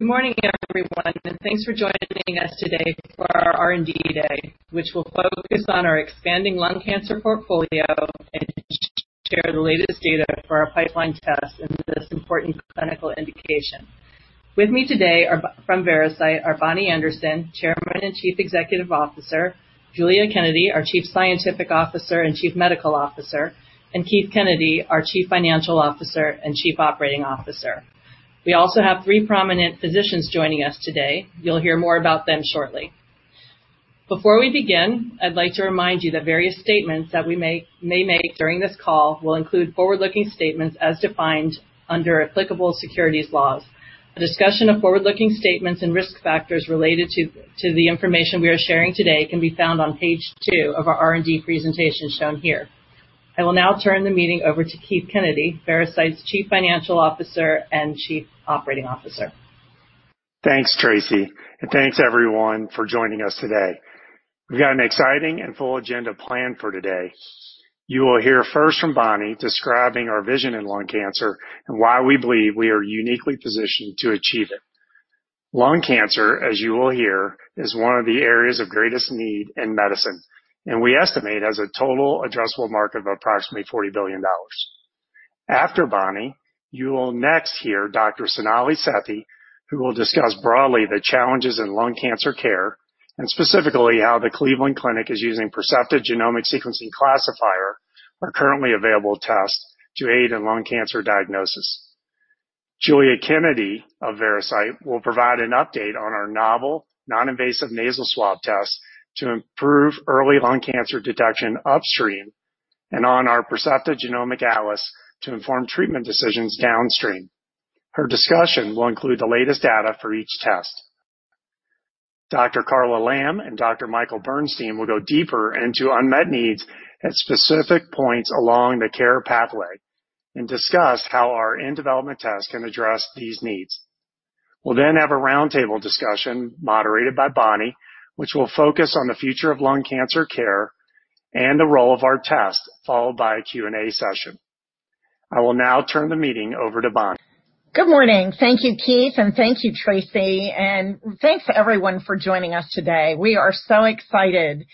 Good morning, everyone, thanks for joining us today for our R&D Day, which will focus on our expanding lung cancer portfolio and share the latest data for our pipeline tests in this important clinical indication. With me today from Veracyte are Bonnie Anderson, Chairman and Chief Executive Officer, Giulia Kennedy, our Chief Scientific Officer and Chief Medical Officer, and Keith Kennedy, our Chief Financial Officer and Chief Operating Officer. We also have three prominent physicians joining us today. You'll hear more about them shortly. Before we begin, I'd like to remind you that various statements that we may make during this call will include forward-looking statements as defined under applicable securities laws. A discussion of forward-looking statements and risk factors related to the information we are sharing today can be found on page two of our R&D presentation shown here. I will now turn the meeting over to Keith Kennedy, Veracyte's Chief Financial Officer and Chief Operating Officer. Thanks, Tracy, and thanks everyone for joining us today. We've got an exciting and full agenda planned for today. You will hear first from Bonnie describing our vision in lung cancer and why we believe we are uniquely positioned to achieve it. Lung cancer, as you will hear, is one of the areas of greatest need in medicine, and we estimate has a total addressable market of approximately $40 billion. After Bonnie, you will next hear Dr. Sonali Sethi, who will discuss broadly the challenges in lung cancer care, and specifically how the Cleveland Clinic is using Percepta Genomic Sequencing Classifier, our currently available test, to aid in lung cancer diagnosis. Giulia Kennedy of Veracyte will provide an update on our novel non-invasive nasal swab test to improve early lung cancer detection upstream and on our Percepta Genomic Atlas to inform treatment decisions downstream. Her discussion will include the latest data for each test. Dr. Carla Lamb and Dr. Michael Bernstein will go deeper into unmet needs at specific points along the care pathway and discuss how our in-development test can address these needs. We'll have a roundtable discussion moderated by Bonnie, which will focus on the future of lung cancer care and the role of our test, followed by a Q&A session. I will now turn the meeting over to Bonnie. Good morning. Thank you, Keith, and thank you, Tracy, and thanks everyone for joining us today. We are so excited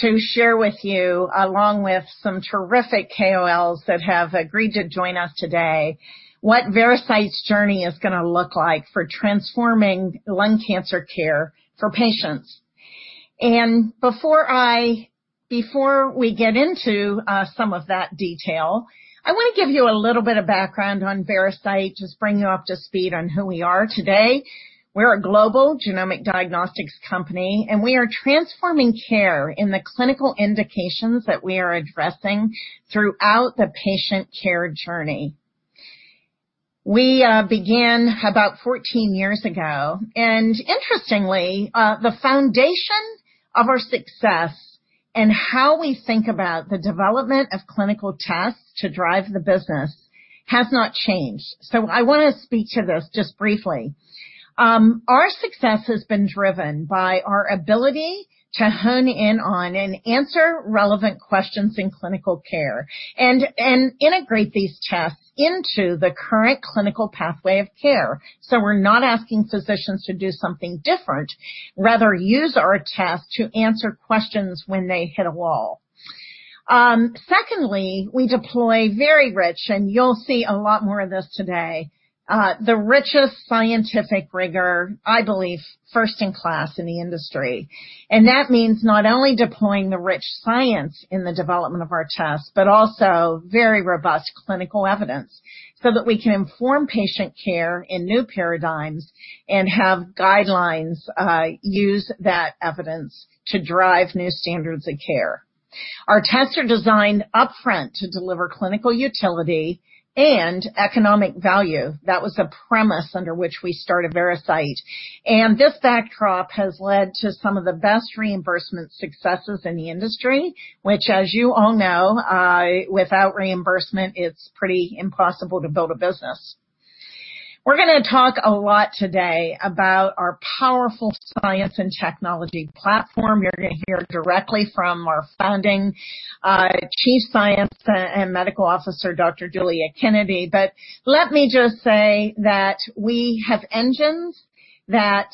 to share with you, along with some terrific KOLs that have agreed to join us today, what Veracyte's journey is going to look like for transforming lung cancer care for patients. Before we get into some of that detail, I want to give you a little bit of background on Veracyte, just bring you up to speed on who we are today. We're a global genomic diagnostics company, and we are transforming care in the clinical indications that we are addressing throughout the patient care journey. We began about 14 years ago, and interestingly, the foundation of our success and how we think about the development of clinical tests to drive the business has not changed. I want to speak to this just briefly. Our success has been driven by our ability to hone in on and answer relevant questions in clinical care and integrate these tests into the current clinical pathway of care. We're not asking physicians to do something different, rather, use our test to answer questions when they hit a wall. Secondly, we deploy very rich, and you'll see a lot more of this today, the richest scientific rigor, I believe, first in class in the industry. That means not only deploying the rich science in the development of our tests, but also very robust clinical evidence so that we can inform patient care in new paradigms and have guidelines use that evidence to drive new standards of care. Our tests are designed upfront to deliver clinical utility and economic value. That was a premise under which we started Veracyte. This backdrop has led to some of the best reimbursement successes in the industry, which, as you all know, without reimbursement, it's pretty impossible to build a business. We're going to talk a lot today about our powerful science and technology platform. You're going to hear directly from our founding Chief Science and Medical Officer, Dr. Giulia Kennedy. Let me just say that we have engines that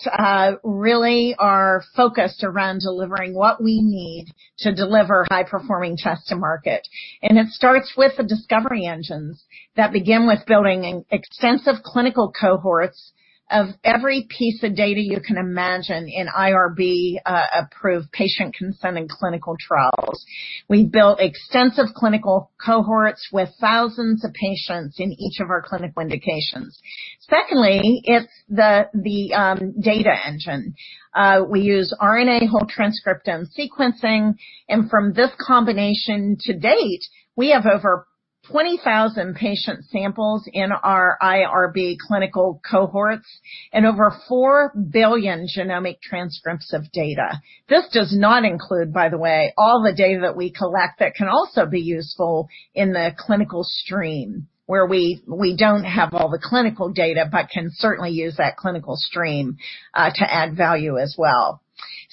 really are focused around delivering what we need to deliver high-performing tests to market. It starts with the discovery engines that begin with building extensive clinical cohorts of every piece of data you can imagine in IRB-approved patient-consenting clinical trials. We built extensive clinical cohorts with thousands of patients in each of our clinical indications. Secondly, it's the data engine. We use RNA whole transcriptome sequencing, and from this combination to date, we have over 20,000 patient samples in our IRB clinical cohorts and over 4 billion genomic transcripts of data. This does not include, by the way, all the data that we collect that can also be useful in the clinical stream where we don't have all the clinical data but can certainly use that clinical stream to add value as well.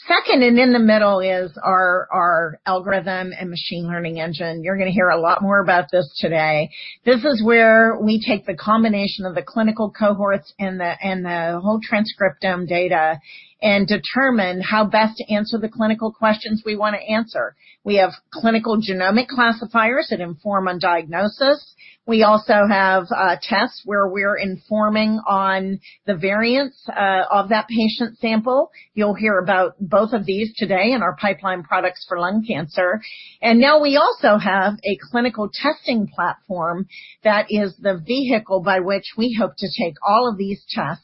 Second, and in the middle is our algorithm and machine learning engine. You're going to hear a lot more about this today. This is where we take the combination of the clinical cohorts and the whole transcriptome data and determine how best to answer the clinical questions we want to answer. We have clinical genomic classifiers that inform on diagnosis. We also have tests where we're informing on the variants of that patient sample. You'll hear about both of these today in our pipeline products for lung cancer. Now we also have a clinical testing platform that is the vehicle by which we hope to take all of these tests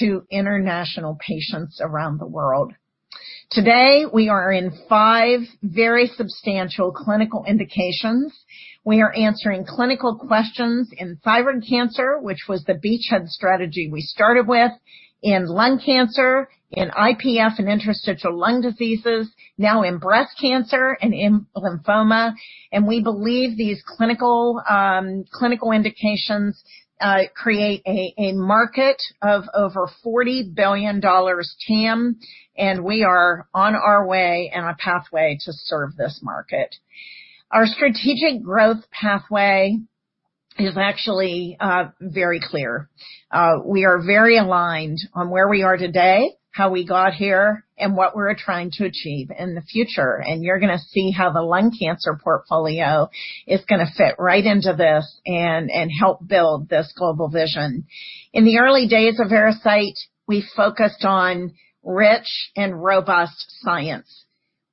to international patients around the world. Today, we are in five very substantial clinical indications. We are answering clinical questions in thyroid cancer, which was the beachhead strategy we started with, in lung cancer, in IPF and interstitial lung diseases, now in breast cancer and in lymphoma. We believe these clinical indications create a market of over $40 billion TAM, and we are on our way and a pathway to serve this market. Our strategic growth pathway is actually very clear. We are very aligned on where we are today, how we got here, and what we're trying to achieve in the future. You're going to see how the lung cancer portfolio is going to fit right into this and help build this global vision. In the early days of Veracyte, we focused on rich and robust science.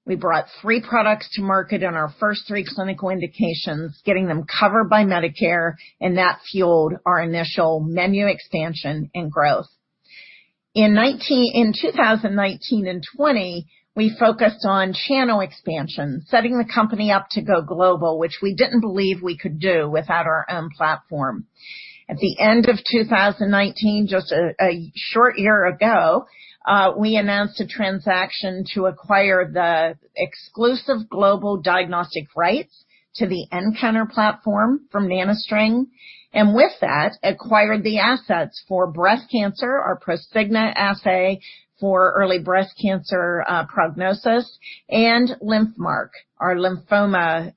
We brought three products to market in our first three clinical indications, getting them covered by Medicare, and that fueled our initial menu expansion and growth. In 2019 and 2020, we focused on channel expansion, setting the company up to go global, which we didn't believe we could do without our own platform. At the end of 2019, just a short year ago, we announced a transaction to acquire the exclusive global diagnostic rights to the nCounter platform from NanoString, and with that, acquired the assets for breast cancer, our Prosigna assay for early breast cancer prognosis, and LymphMark, our lymphoma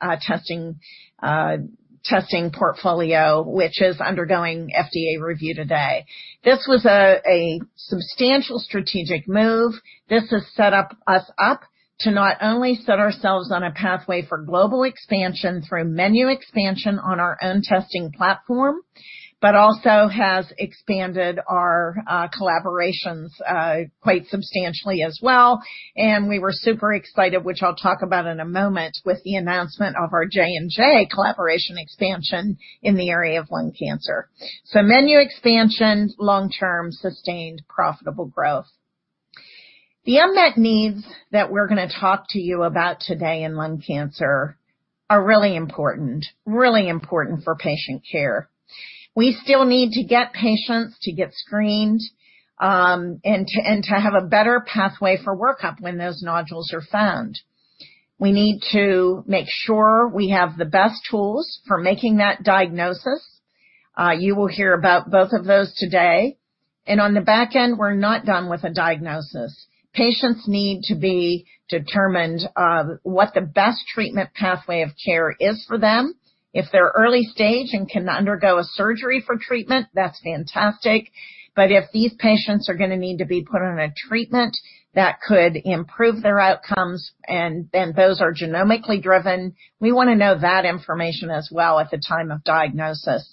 testing portfolio, which is undergoing FDA review today. This was a substantial strategic move. This has set us up to not only set ourselves on a pathway for global expansion through menu expansion on our own testing platform, but also has expanded our collaborations quite substantially as well. We were super excited, which I'll talk about in a moment, with the announcement of our J&J collaboration expansion in the area of lung cancer. So menu expansion, long-term sustained profitable growth. The unmet needs that we're going to talk to you about today in lung cancer are really important, really important for patient care. We still need to get patients to get screened, and to have a better pathway for workup when those nodules are found. We need to make sure we have the best tools for making that diagnosis. You will hear about both of those today. On the back end, we're not done with a diagnosis. Patients need to be determined what the best treatment pathway of care is for them. If they're early stage and can undergo a surgery for treatment, that's fantastic. If these patients are going to need to be put on a treatment that could improve their outcomes and those are genomically driven, we want to know that information as well at the time of diagnosis.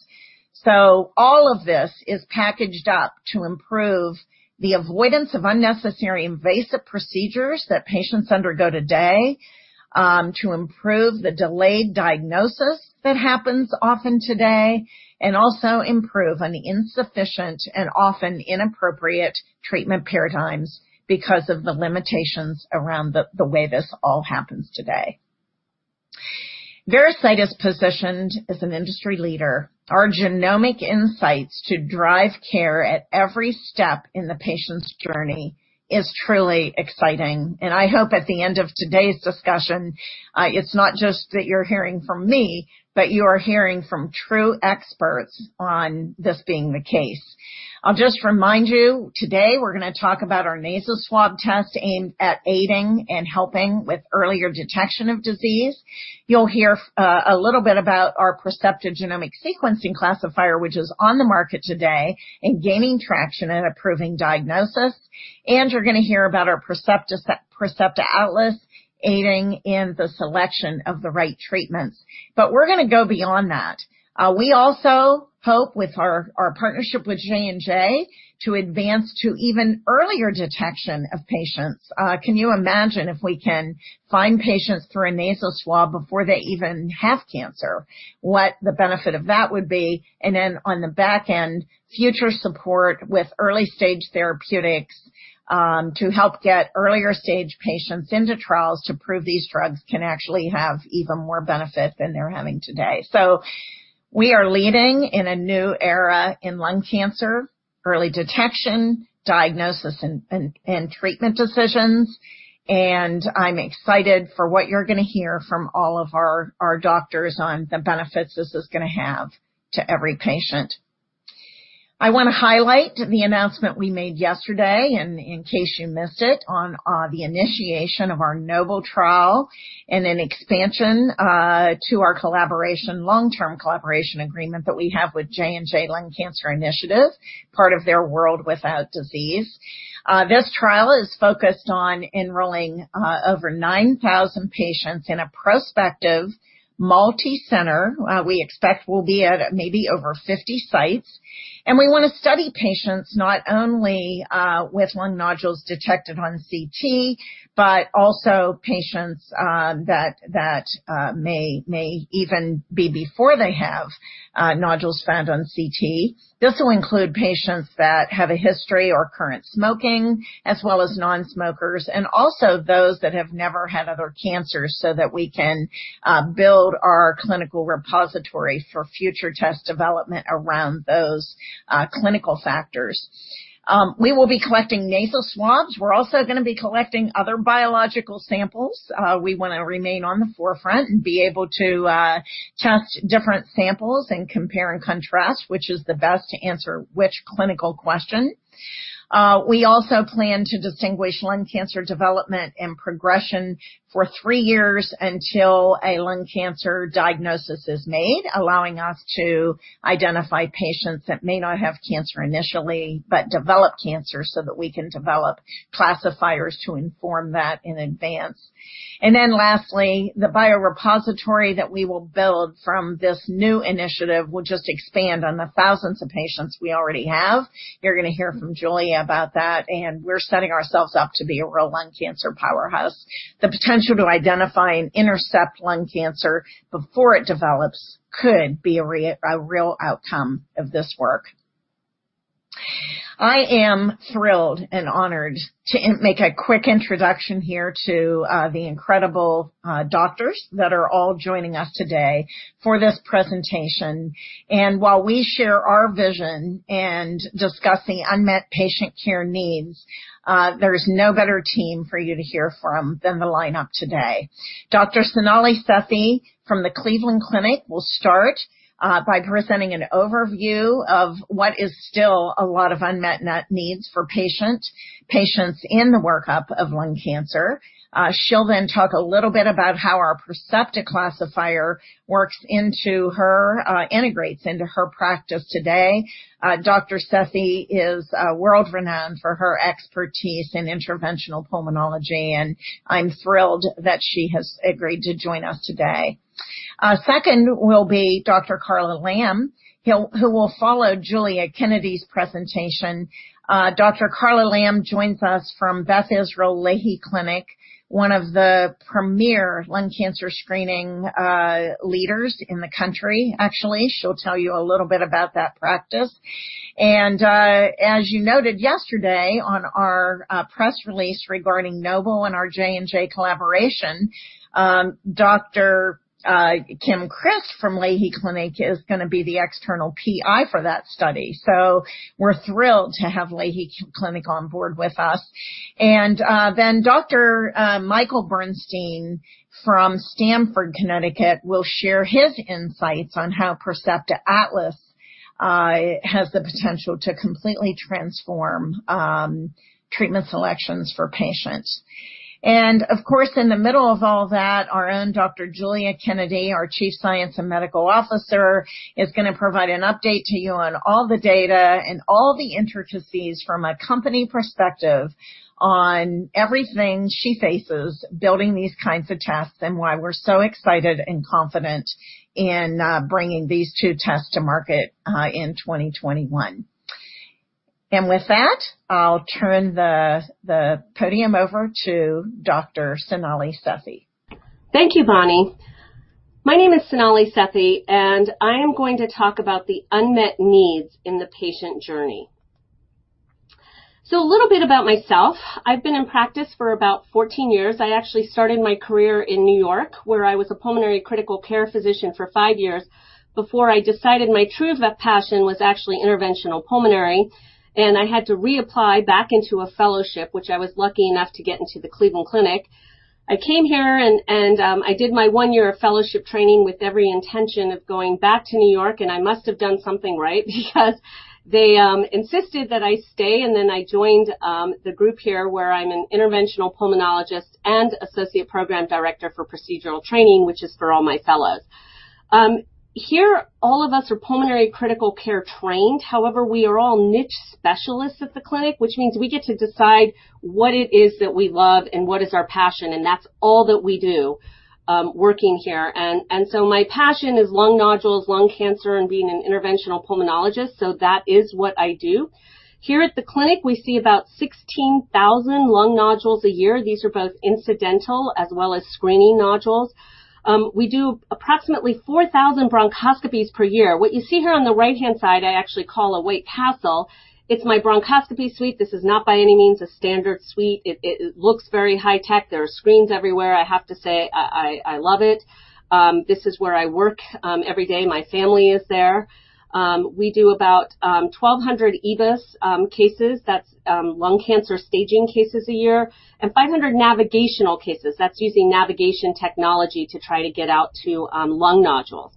All of this is packaged up to improve the avoidance of unnecessary invasive procedures that patients undergo today, to improve the delayed diagnosis that happens often today, and also improve on the insufficient and often inappropriate treatment paradigms because of the limitations around the way this all happens today. Veracyte is positioned as an industry leader. Our genomic insights to drive care at every step in the patient's journey is truly exciting. I hope at the end of today's discussion, it's not just that you're hearing from me, but you are hearing from true experts on this being the case. I'll just remind you, today we're going to talk about our nasal swab test aimed at aiding and helping with earlier detection of disease. You'll hear a little bit about our Percepta Genomic Sequencing Classifier, which is on the market today and gaining traction in improving diagnosis. You're going to hear about our Percepta Atlas aiding in the selection of the right treatments. We're going to go beyond that. We also hope with our partnership with J&J to advance to even earlier detection of patients. Can you imagine if we can find patients through a nasal swab before they even have cancer, what the benefit of that would be? On the back end, future support with early-stage therapeutics to help get earlier stage patients into trials to prove these drugs can actually have even more benefit than they're having today. We are leading in a new era in lung cancer, early detection, diagnosis, and treatment decisions, and I'm excited for what you're going to hear from all of our doctors on the benefits this is going to have to every patient. I want to highlight the announcement we made yesterday, and in case you missed it, on the initiation of our NOBLE trial and an expansion to our long-term collaboration agreement that we have with J&J Lung Cancer Initiative, part of their World Without Disease. This trial is focused on enrolling over 9,000 patients in a prospective multicenter. We expect we'll be at maybe over 50 sites. We want to study patients not only with lung nodules detected on CT, but also patients that may even be before they have nodules found on CT. This will include patients that have a history or current smoking, as well as non-smokers, and also those that have never had other cancers so that we can build our clinical repository for future test development around those clinical factors. We will be collecting nasal swabs. We're also going to be collecting other biological samples. We want to remain on the forefront and be able to test different samples and compare and contrast which is the best to answer which clinical question. We also plan to distinguish lung cancer development and progression for three years until a lung cancer diagnosis is made, allowing us to identify patients that may not have cancer initially but develop cancer so that we can develop classifiers to inform that in advance. Lastly, the biorepository that we will build from this new initiative will just expand on the thousands of patients we already have. You're going to hear from Giulia about that, and we're setting ourselves up to be a real lung cancer powerhouse. The potential to identify and intercept lung cancer before it develops could be a real outcome of this work. I am thrilled and honored to make a quick introduction here to the incredible doctors that are all joining us today for this presentation. While we share our vision and discuss the unmet patient care needs, there's no better team for you to hear from than the lineup today. Dr. Sonali Sethi from the Cleveland Clinic will start by presenting an overview of what is still a lot of unmet needs for patients in the workup of lung cancer. She'll then talk a little bit about how our Percepta classifier integrates into her practice today. Dr. Sethi is world-renowned for her expertise in Interventional Pulmonology. I'm thrilled that she has agreed to join us today. Second will be Dr. Carla Lamb, who will follow Giulia Kennedy's presentation. Dr. Carla Lamb joins us from Beth Israel Lahey Clinic, one of the premier lung cancer screening leaders in the country, actually. She'll tell you a little bit about that practice. As you noted yesterday on our press release regarding NOBLE and our J&J collaboration, Dr. Kim Christ from Lahey Clinic is going to be the external PI for that study. We're thrilled to have Lahey Clinic on board with us. Dr. Michael Bernstein from Stamford, Connecticut, will share his insights on how Percepta Atlas has the potential to completely transform treatment selections for patients. Of course, in the middle of all that, our own Dr. Giulia Kennedy, our Chief Scientific Officer and Chief Medical Officer, is going to provide an update to you on all the data and all the intricacies from a company perspective on everything she faces building these kinds of tests, and why we're so excited and confident in bringing these two tests to market in 2021. With that, I'll turn the podium over to Dr. Sonali Sethi. Thank you, Bonnie. My name is Sonali Sethi. I am going to talk about the unmet needs in the patient journey. A little bit about myself. I've been in practice for about 14 years. I actually started my career in New York, where I was a pulmonary critical care physician for five years before I decided my true passion was actually interventional pulmonary. I had to reapply back into a fellowship, which I was lucky enough to get into the Cleveland Clinic. I came here. I did my one-year fellowship training with every intention of going back to New York. I must have done something right because they insisted that I stay. I joined the group here, where I'm an interventional pulmonologist and associate program director for procedural training, which is for all my fellows. Here, all of us are pulmonary critical care trained. However, we are all niche specialists at the clinic, which means we get to decide what it is that we love and what is our passion, and that's all that we do working here. My passion is lung nodules, lung cancer, and being an interventional pulmonologist, so that is what I do. Here at the clinic, we see about 16,000 lung nodules a year. These are both incidental as well as screening nodules. We do approximately 4,000 bronchoscopies per year. What you see here on the right-hand side, I actually call a White Castle. It's my bronchoscopy suite. This is not by any means a standard suite. It looks very high-tech. There are screens everywhere. I have to say, I love it. This is where I work every day. My family is there. We do about 1,200 EBUS cases, that's lung cancer staging cases a year, and 500 navigational cases. That's using navigation technology to try to get out to lung nodules.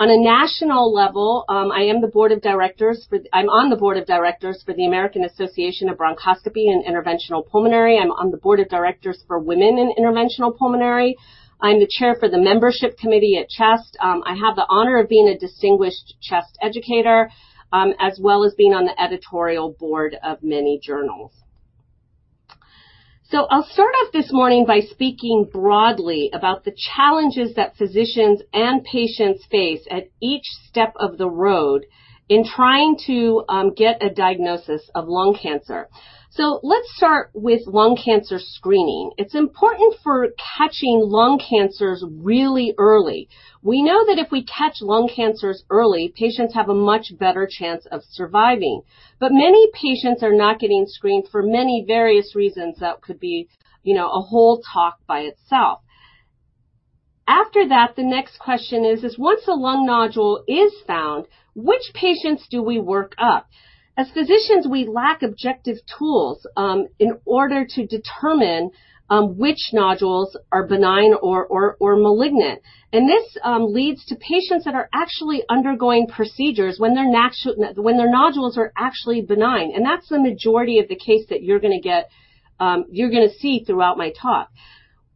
On a national level, I'm on the board of directors for the American Association for Bronchology and Interventional Pulmonology. I'm on the board of directors for Women in Interventional Pulmonology. I'm the chair for the membership committee at CHEST. I have the honor of being a distinguished CHEST educator, as well as being on the editorial board of many journals. I'll start off this morning by speaking broadly about the challenges that physicians and patients face at each step of the road in trying to get a diagnosis of lung cancer. Let's start with lung cancer screening. It's important for catching lung cancers really early. We know that if we catch lung cancers early, patients have a much better chance of surviving. Many patients are not getting screened for many various reasons. That could be a whole talk by itself. After that, the next question is, once a lung nodule is found, which patients do we work up? As physicians, we lack objective tools in order to determine which nodules are benign or malignant. This leads to patients that are actually undergoing procedures when their nodules are actually benign, and that's the majority of the case that you're going to see throughout my talk.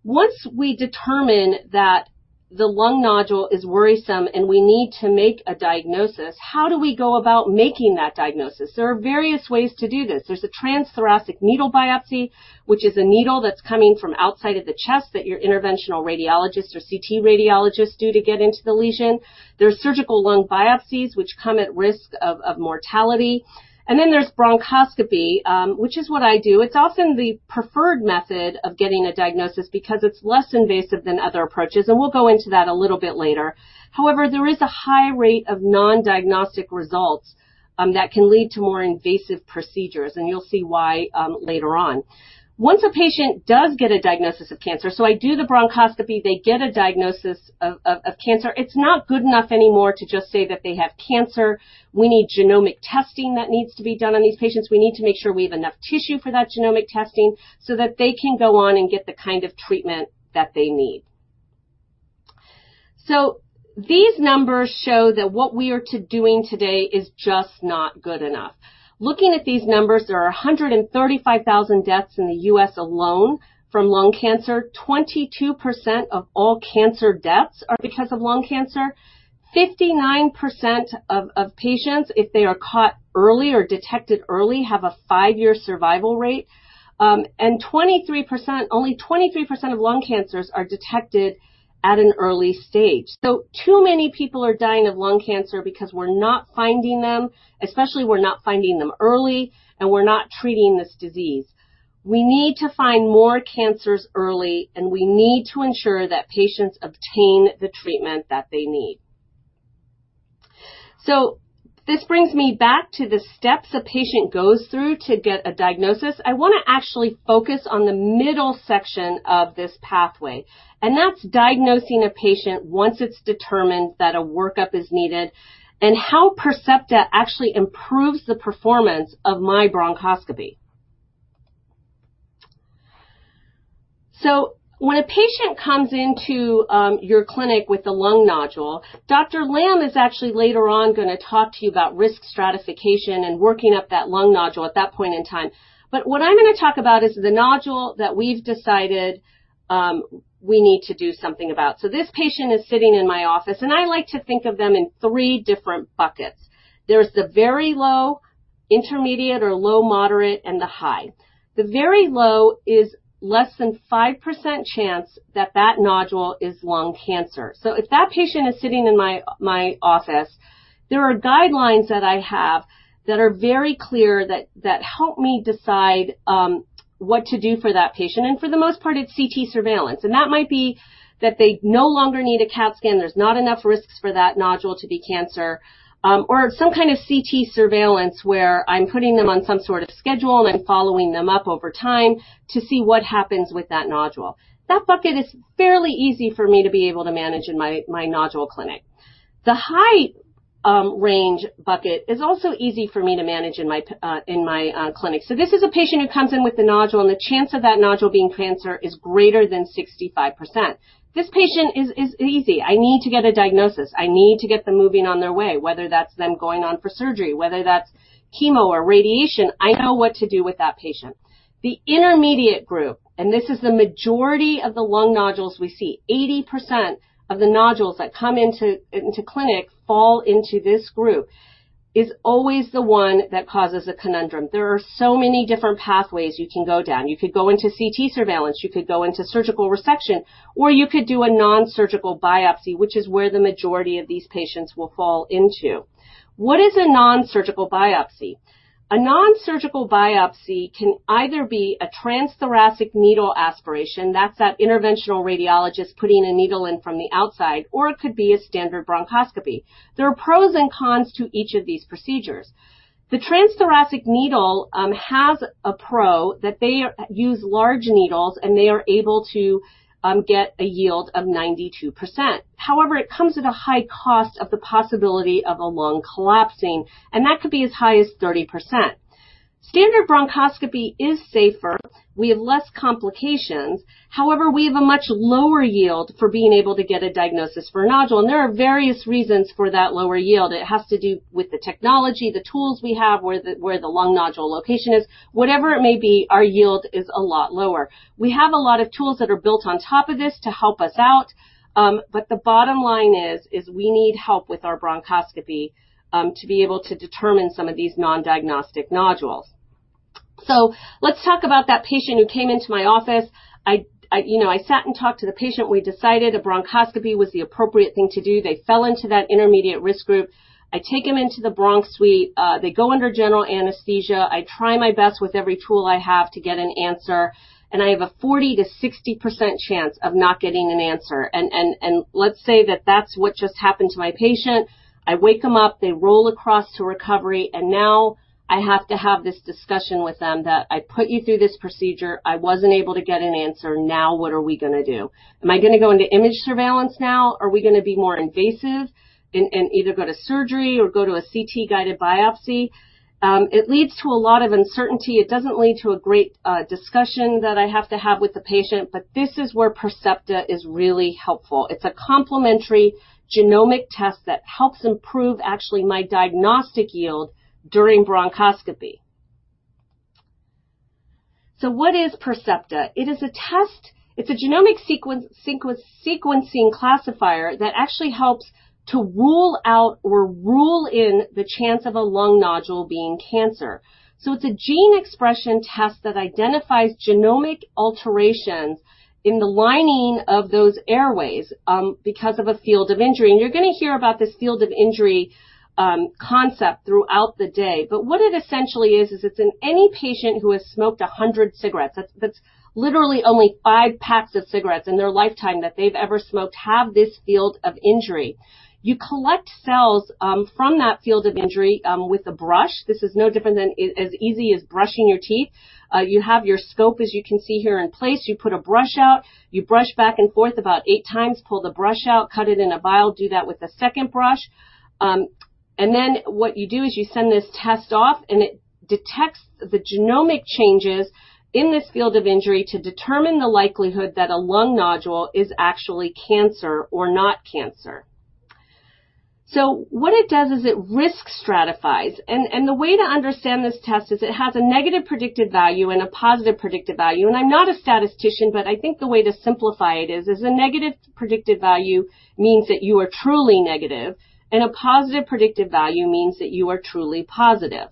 Once we determine that the lung nodule is worrisome and we need to make a diagnosis, how do we go about making that diagnosis? There are various ways to do this. There's a transthoracic needle biopsy, which is a needle that's coming from outside of the chest that your interventional radiologist or CT radiologist do to get into the lesion. There's surgical lung biopsies, which come at risk of mortality. There's bronchoscopy, which is what I do. It's often the preferred method of getting a diagnosis because it's less invasive than other approaches, and we'll go into that a little bit later. There is a high rate of non-diagnostic results that can lead to more invasive procedures, and you'll see why later on. Once a patient does get a diagnosis of cancer, so I do the bronchoscopy, they get a diagnosis of cancer, it's not good enough anymore to just say that they have cancer. We need genomic testing that needs to be done on these patients. We need to make sure we have enough tissue for that genomic testing so that they can go on and get the kind of treatment that they need. These numbers show that what we are doing today is just not good enough. Looking at these numbers, there are 135,000 deaths in the U.S. alone from lung cancer, 22% of all cancer deaths are because of lung cancer, 59% of patients, if they are caught early or detected early, have a five-year survival rate. Only 23% of lung cancers are detected at an early stage. Too many people are dying of lung cancer because we're not finding them, especially we're not finding them early, and we're not treating this disease. We need to find more cancers early, and we need to ensure that patients obtain the treatment that they need. This brings me back to the steps a patient goes through to get a diagnosis. I want to actually focus on the middle section of this pathway, and that's diagnosing a patient once it's determined that a workup is needed, and how Percepta actually improves the performance of my bronchoscopy. When a patient comes into your clinic with a lung nodule, Dr. Lamb is actually later on going to talk to you about risk stratification and working up that lung nodule at that point in time. What I'm going to talk about is the nodule that we've decided we need to do something about. This patient is sitting in my office, and I like to think of them in three different buckets. There's the very low, intermediate or low moderate, and the high. The very low is less than 5% chance that that nodule is lung cancer. If that patient is sitting in my office, there are guidelines that I have that are very clear that help me decide what to do for that patient, and for the most part, it's CT surveillance. That might be that they no longer need a CAT scan. There's not enough risks for that nodule to be cancer. Some kind of CT surveillance where I'm putting them on some sort of schedule and following them up over time to see what happens with that nodule. That bucket is fairly easy for me to be able to manage in my nodule clinic. The high range bucket is also easy for me to manage in my clinic. This is a patient who comes in with a nodule, and the chance of that nodule being cancer is greater than 65%. This patient is easy. I need to get a diagnosis. I need to get them moving on their way, whether that's them going on for surgery, whether that's chemo or radiation. I know what to do with that patient. The intermediate group, and this is the majority of the lung nodules we see, 80% of the nodules that come into clinic fall into this group, is always the one that causes a conundrum. There are so many different pathways you can go down. You could go into CT surveillance. You could go into surgical resection, or you could do a non-surgical biopsy, which is where the majority of these patients will fall into. What is a non-surgical biopsy? A non-surgical biopsy can either be a transthoracic needle aspiration, that's that interventional radiologist putting a needle in from the outside, or it could be a standard bronchoscopy. There are pros and cons to each of these procedures. The transthoracic needle has a pro that they use large needles, and they are able to get a yield of 92%. It comes at a high cost of the possibility of a lung collapsing, and that could be as high as 30%. Standard bronchoscopy is safer. We have less complications. We have a much lower yield for being able to get a diagnosis for a nodule, and there are various reasons for that lower yield. It has to do with the technology, the tools we have, where the lung nodule location is. Whatever it may be, our yield is a lot lower. We have a lot of tools that are built on top of this to help us out. The bottom line is, we need help with our bronchoscopy to be able to determine some of these non-diagnostic nodules. Let's talk about that patient who came into my office. I sat and talked to the patient. We decided a bronchoscopy was the appropriate thing to do. They fell into that intermediate risk group. I take them into the bronc suite. They go under general anesthesia. I try my best with every tool I have to get an answer, and I have a 40%-60% chance of not getting an answer. Let's say that that's what just happened to my patient. I wake them up, they roll across to recovery, and now I have to have this discussion with them that, "I put you through this procedure. I wasn't able to get an answer. What are we going to do? Am I going to go into image surveillance now? Are we going to be more invasive and either go to surgery or go to a CT-guided biopsy? It leads to a lot of uncertainty. It doesn't lead to a great discussion that I have to have with the patient. This is where Percepta is really helpful. It's a complementary genomic test that helps improve actually my diagnostic yield during bronchoscopy. What is Percepta? It is a test. It's a genomic sequencing classifier that actually helps to rule out or rule in the chance of a lung nodule being cancer. It's a gene expression test that identifies genomic alterations in the lining of those airways because of a field of injury. You're going to hear about this field of injury concept throughout the day. What it essentially is it's in any patient who has smoked 100 cigarettes. That's literally only five packs of cigarettes in their lifetime that they've ever smoked have this field of injury. You collect cells from that field of injury with a brush. This is no different than, as easy as brushing your teeth. You have your scope, as you can see here, in place. You put a brush out, you brush back and forth about eight times, pull the brush out, cut it in a vial, do that with a second brush. What you do is you send this test off, and it detects the genomic changes in this field of injury to determine the likelihood that a lung nodule is actually cancer or not cancer. What it does is it risk stratifies. The way to understand this test is it has a negative predictive value and a positive predictive value. I'm not a statistician, but I think the way to simplify it is a negative predictive value means that you are truly negative, and a positive predictive value means that you are truly positive.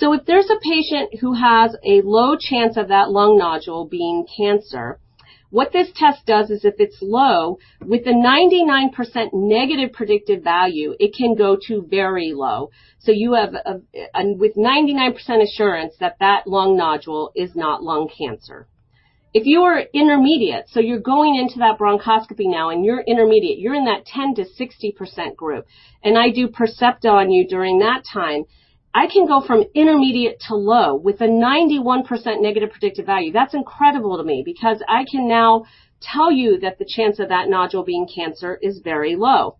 If there's a patient who has a low chance of that lung nodule being cancer, what this test does is if it's low, with a 99% negative predictive value, it can go to very low. You have with 99% assurance that that lung nodule is not lung cancer. If you are intermediate, so you're going into that bronchoscopy now and you're intermediate, you're in that 10%-60% group, and I do Percepta on you during that time, I can go from intermediate to low with a 91% negative predictive value. That's incredible to me because I can now tell you that the chance of that nodule being cancer is very low.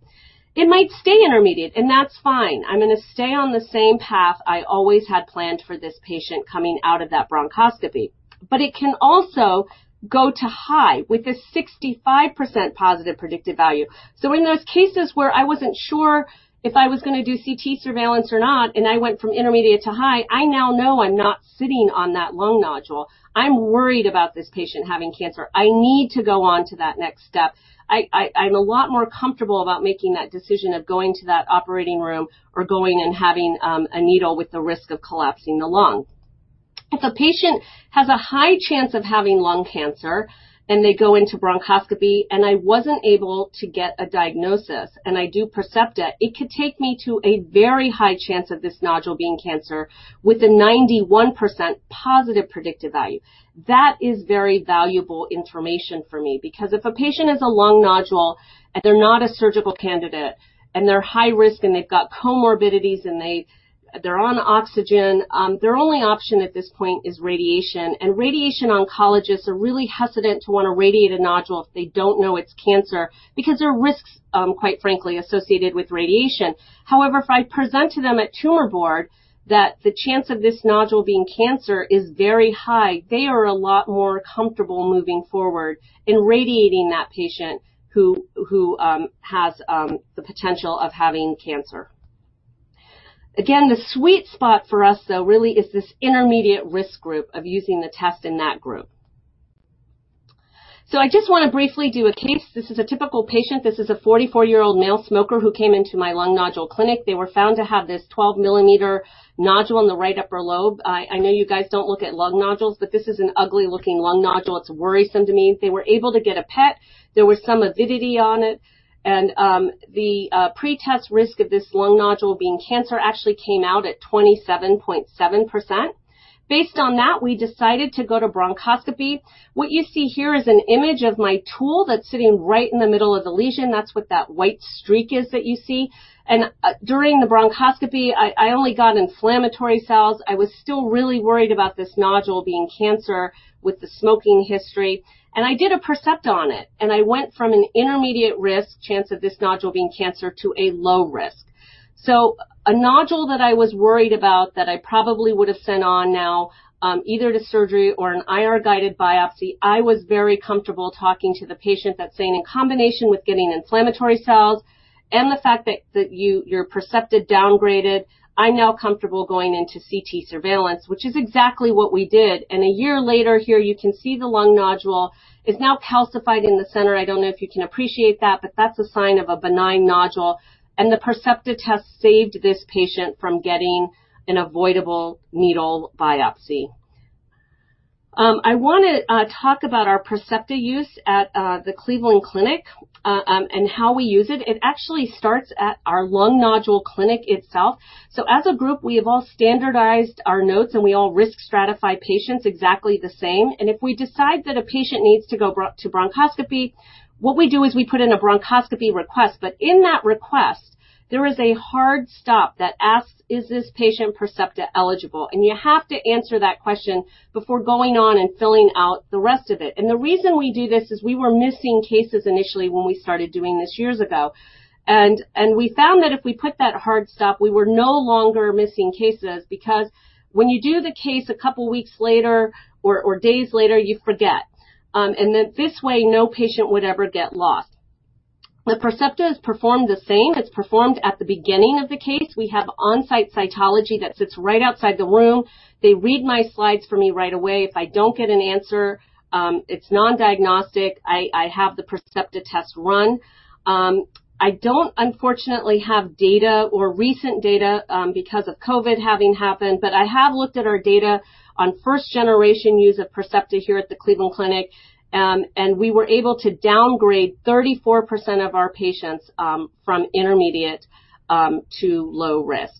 It might stay intermediate, and that's fine. I'm going to stay on the same path I always had planned for this patient coming out of that bronchoscopy. It can also go to high with a 65% positive predictive value. In those cases where I wasn't sure if I was going to do CT surveillance or not, and I went from intermediate to high, I now know I'm not sitting on that lung nodule. I'm worried about this patient having cancer. I need to go on to that next step. I'm a lot more comfortable about making that decision of going to that operating room or going and having a needle with the risk of collapsing the lung. If a patient has a high chance of having lung cancer and they go into bronchoscopy, and I wasn't able to get a diagnosis, and I do Percepta, it could take me to a very high chance of this nodule being cancer with a 91% positive predictive value. That is very valuable information for me because if a patient has a lung nodule and they're not a surgical candidate and they're high risk and they've got comorbidities and they're on oxygen, their only option at this point is radiation. Radiation oncologists are really hesitant to want to radiate a nodule if they don't know it's cancer because there are risks, quite frankly, associated with radiation. However, if I present to them at tumor board that the chance of this nodule being cancer is very high, they are a lot more comfortable moving forward in radiating that patient who has the potential of having cancer. Again, the sweet spot for us, though, really is this intermediate risk group of using the test in that group. I just want to briefly do a case. This is a typical patient. This is a 44-year-old male smoker who came into my lung nodule clinic. They were found to have this 12 mm nodule in the right upper lobe. I know you guys don't look at lung nodules, but this is an ugly-looking lung nodule. It's worrisome to me. They were able to get a PET. There was some avidity on it, and the pretest risk of this lung nodule being cancer actually came out at 27.7%. Based on that, we decided to go to bronchoscopy. What you see here is an image of my tool that's sitting right in the middle of the lesion. That's what that white streak is that you see. During the bronchoscopy, I only got inflammatory cells. I was still really worried about this nodule being cancer with the smoking history. I did a Percepta on it. I went from an intermediate risk chance of this nodule being cancer to a low risk. A nodule that I was worried about that I probably would have sent on now, either to surgery or an IR-guided biopsy, I was very comfortable talking to the patient that saying in combination with getting inflammatory cells and the fact that your Percepta downgraded, I'm now comfortable going into CT surveillance, which is exactly what we did. A year later, here you can see the lung nodule is now calcified in the center. I don't know if you can appreciate that, but that's a sign of a benign nodule. The Percepta test saved this patient from getting an avoidable needle biopsy. I want to talk about our Percepta use at the Cleveland Clinic, and how we use it. It actually starts at our lung nodule clinic itself. As a group, we have all standardized our notes, and we all risk stratify patients exactly the same. If we decide that a patient needs to go to bronchoscopy, what we do is we put in a bronchoscopy request. In that request, there is a hard stop that asks, "Is this patient Percepta eligible?" You have to answer that question before going on and filling out the rest of it. The reason we do this is we were missing cases initially when we started doing this years ago. We found that if we put that hard stop, we were no longer missing cases, because when you do the case a couple of weeks later or days later, you forget. This way, no patient would ever get lost. The Percepta is performed the same. It's performed at the beginning of the case. We have on-site cytology that sits right outside the room. They read my slides for me right away. If I don't get an answer, it's non-diagnostic, I have the Percepta test run. I don't, unfortunately, have data or recent data, because of COVID having happened, but I have looked at our data on first-generation use of Percepta here at the Cleveland Clinic, and we were able to downgrade 34% of our patients from intermediate to low risk.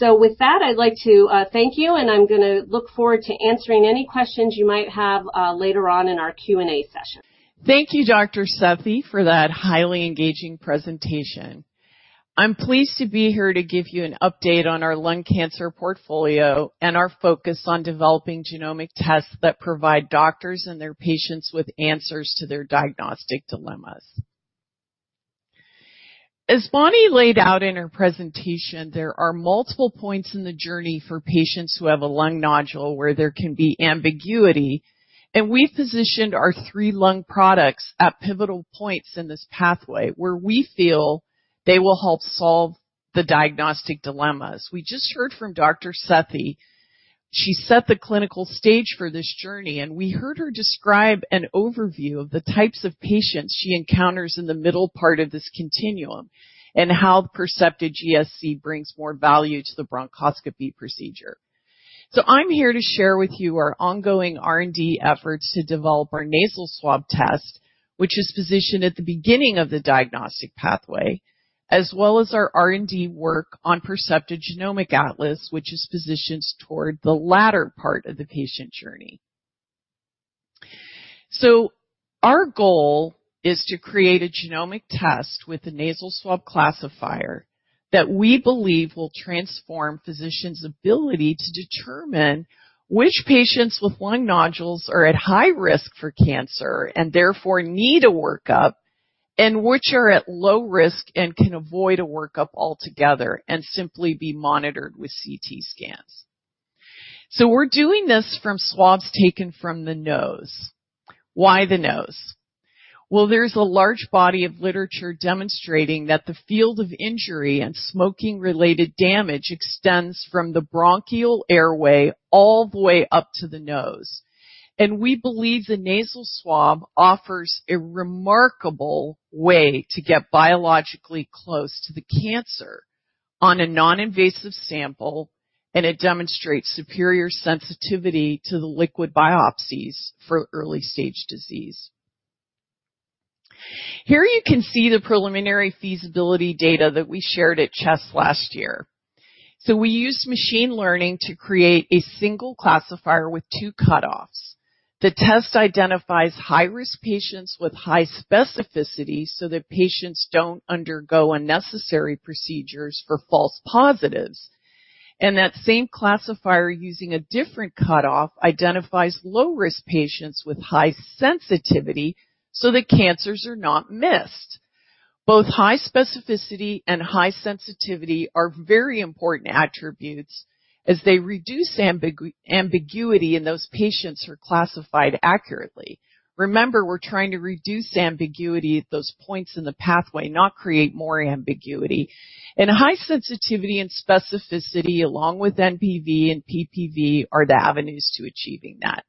With that, I'd like to thank you, and I'm going to look forward to answering any questions you might have later on in our Q&A session. Thank you, Dr. Sethi, for that highly engaging presentation. I'm pleased to be here to give you an update on our lung cancer portfolio and our focus on developing genomic tests that provide doctors and their patients with answers to their diagnostic dilemmas. As Bonnie laid out in her presentation, there are multiple points in the journey for patients who have a lung nodule where there can be ambiguity, and we've positioned our three lung products at pivotal points in this pathway, where we feel they will help solve the diagnostic dilemmas. We just heard from Dr. Sethi. She set the clinical stage for this journey, and we heard her describe an overview of the types of patients she encounters in the middle part of this continuum, and how Percepta GSC brings more value to the bronchoscopy procedure. I'm here to share with you our ongoing R&D efforts to develop our nasal swab test, which is positioned at the beginning of the diagnostic pathway, as well as our R&D work on Percepta Genomic Atlas, which is positioned toward the latter part of the patient journey. Our goal is to create a genomic test with a nasal swab classifier that we believe will transform physicians' ability to determine which patients with lung nodules are at high risk for cancer, and therefore need a workup, and which are at low risk and can avoid a workup altogether and simply be monitored with CT scans. We're doing this from swabs taken from the nose. Why the nose? Well, there's a large body of literature demonstrating that the field of injury and smoking-related damage extends from the bronchial airway all the way up to the nose. We believe the nasal swab offers a remarkable way to get biologically close to the cancer on a non-invasive sample, and it demonstrates superior sensitivity to the liquid biopsies for early-stage disease. Here you can see the preliminary feasibility data that we shared at CHEST last year. We used machine learning to create a single classifier with two cutoffs. The test identifies high-risk patients with high specificity so that patients don't undergo unnecessary procedures for false positives. That same classifier, using a different cutoff, identifies low-risk patients with high sensitivity so that cancers are not missed. Both high specificity and high sensitivity are very important attributes as they reduce ambiguity, and those patients are classified accurately. Remember, we're trying to reduce ambiguity at those points in the pathway, not create more ambiguity. High sensitivity and specificity, along with NPV and PPV, are the avenues to achieving that.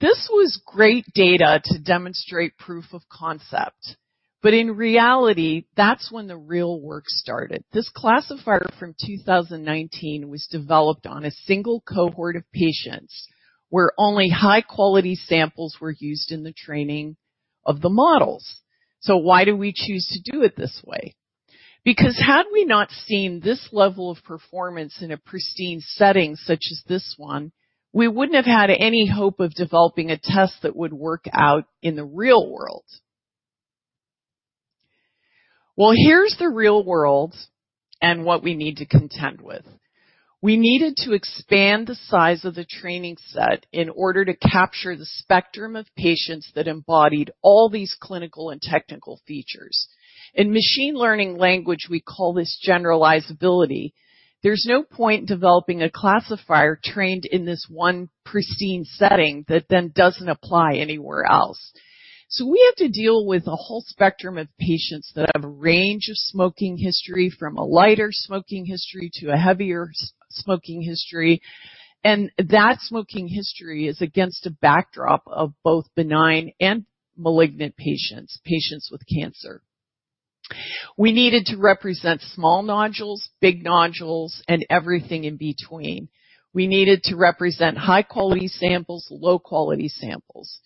This was great data to demonstrate proof of concept, but in reality, that's when the real work started. This classifier from 2019 was developed on a single cohort of patients where only high-quality samples were used in the training of the models. Why do we choose to do it this way? Because had we not seen this level of performance in a pristine setting such as this one, we wouldn't have had any hope of developing a test that would work out in the real world. Here's the real world and what we need to contend with. We needed to expand the size of the training set in order to capture the spectrum of patients that embodied all these clinical and technical features. In machine learning language, we call this generalizability. There's no point developing a classifier trained in this one pristine setting that then doesn't apply anywhere else. We have to deal with a whole spectrum of patients that have a range of smoking history, from a lighter smoking history to a heavier smoking history, and that smoking history is against a backdrop of both benign and malignant patients with cancer. We needed to represent small nodules, big nodules, and everything in between. We needed to represent high-quality samples, low-quality samples.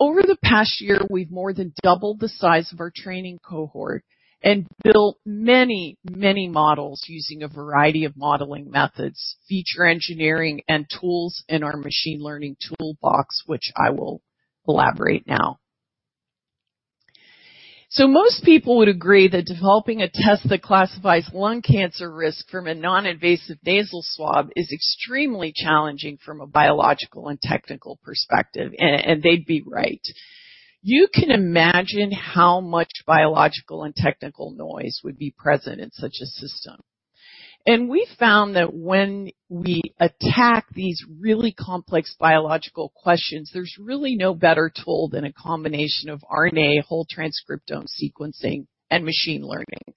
Over the past year, we've more than doubled the size of our training cohort and built many models using a variety of modeling methods, feature engineering, and tools in our machine learning toolbox, which I will elaborate now. Most people would agree that developing a test that classifies lung cancer risk from a non-invasive nasal swab is extremely challenging from a biological and technical perspective, and they'd be right. You can imagine how much biological and technical noise would be present in such a system. We found that when we attack these really complex biological questions, there's really no better tool than a combination of RNA whole transcriptome sequencing and machine learning.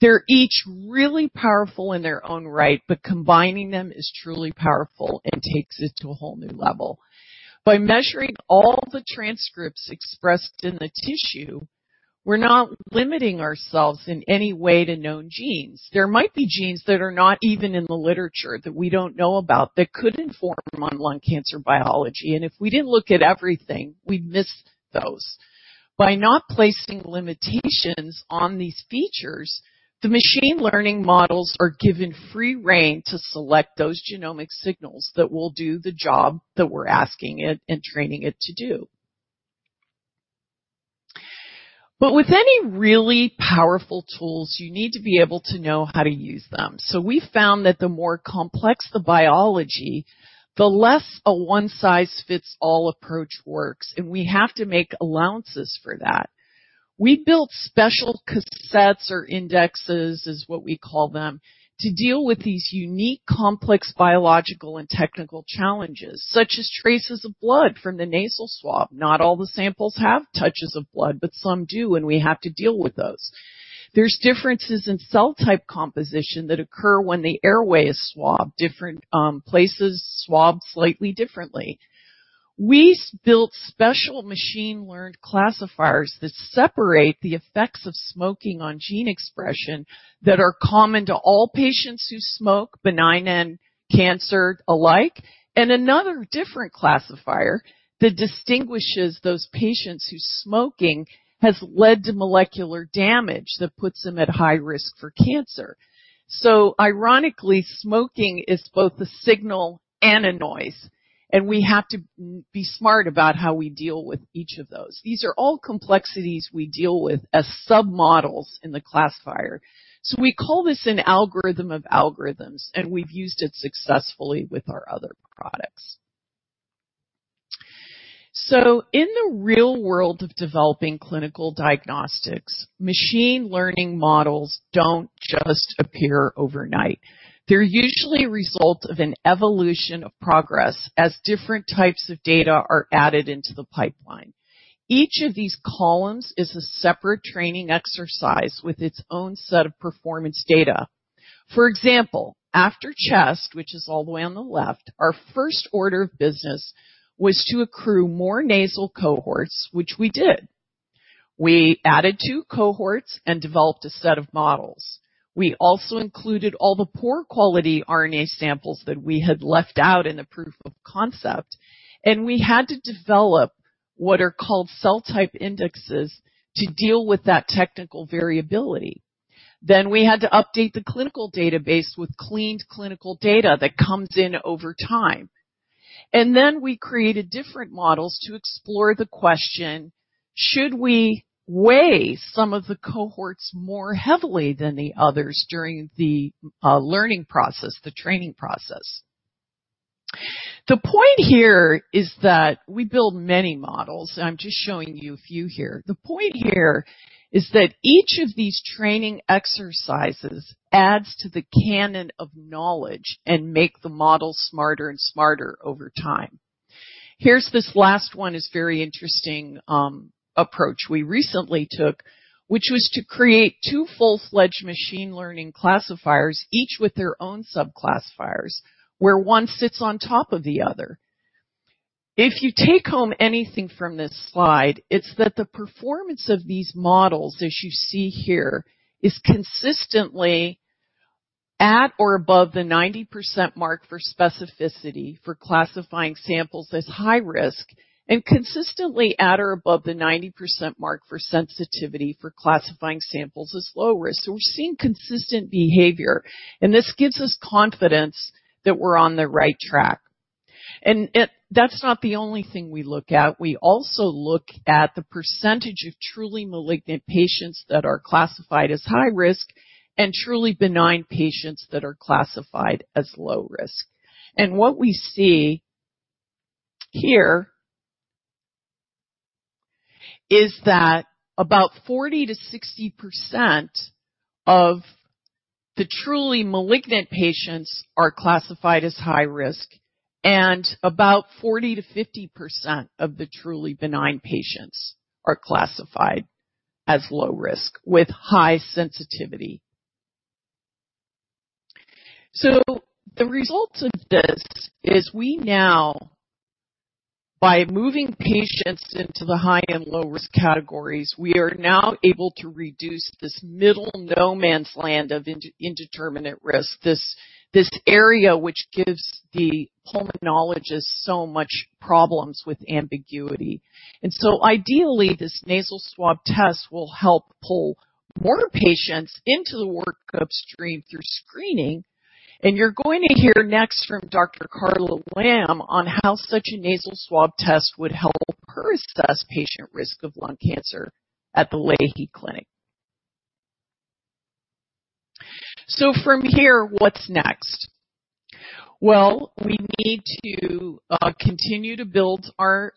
They're each really powerful in their own right, but combining them is truly powerful and takes it to a whole new level. By measuring all the transcripts expressed in the tissue, we're not limiting ourselves in any way to known genes. There might be genes that are not even in the literature that we don't know about that could inform on lung cancer biology, and if we didn't look at everything, we'd miss those. By not placing limitations on these features, the machine learning models are given free rein to select those genomic signals that will do the job that we're asking it and training it to do. With any really powerful tools, you need to be able to know how to use them. We found that the more complex the biology, the less a one-size-fits-all approach works, and we have to make allowances for that. We built special cassettes or indexes, is what we call them, to deal with these unique complex biological and technical challenges, such as traces of blood from the nasal swab. Not all the samples have touches of blood, but some do, and we have to deal with those. There's differences in cell type composition that occur when the airway is swabbed. Different places swab slightly differently. We built special machine-learned classifiers that separate the effects of smoking on gene expression that are common to all patients who smoke, benign and cancer alike, and another different classifier that distinguishes those patients whose smoking has led to molecular damage that puts them at high risk for cancer. Ironically, smoking is both a signal and a noise, and we have to be smart about how we deal with each of those. These are all complexities we deal with as sub-models in the classifier. We call this an algorithm of algorithms, and we've used it successfully with our other products. In the real world of developing clinical diagnostics, machine learning models don't just appear overnight. They're usually a result of an evolution of progress as different types of data are added into the pipeline. Each of these columns is a separate training exercise with its own set of performance data. For example, after CHEST, which is all the way on the left, our first order of business was to accrue more nasal cohorts, which we did. We added two cohorts and developed a set of models. We also included all the poor quality RNA samples that we had left out in the proof of concept, we had to develop what are called cell type indexes to deal with that technical variability. We had to update the clinical database with cleaned clinical data that comes in over time. We created different models to explore the question: should we weigh some of the cohorts more heavily than the others during the learning process, the training process? The point here is that we build many models. I'm just showing you a few here. The point here is that each of these training exercises adds to the canon of knowledge and make the model smarter and smarter over time. Here's this last one, is very interesting approach we recently took, which was to create two full-fledged machine learning classifiers, each with their own sub-classifiers, where one sits on top of the other. If you take home anything from this slide, it's that the performance of these models, as you see here, is consistently at or above the 90% mark for specificity for classifying samples as high risk and consistently at or above the 90% mark for sensitivity for classifying samples as low risk. We're seeing consistent behavior, and this gives us confidence that we're on the right track. And that's not the only thing we look at. We also look at the percentage of truly malignant patients that are classified as high risk and truly benign patients that are classified as low risk. What we see here is that about 40%-60% of the truly malignant patients are classified as high risk, and about 40%-50% of the truly benign patients are classified as low risk with high sensitivity. The results of this is we now, by moving patients into the high and low-risk categories, we are now able to reduce this middle no man's land of indeterminate risk, this area which gives the pulmonologist so much problems with ambiguity. Ideally, this nasal swab test will help pull more patients into the workup stream through screening. You're going to hear next from Dr. Carla Lamb on how such a nasal swab test would help her assess patient risk of lung cancer at the Lahey Clinic. From here, what's next? Well, we need to continue to build our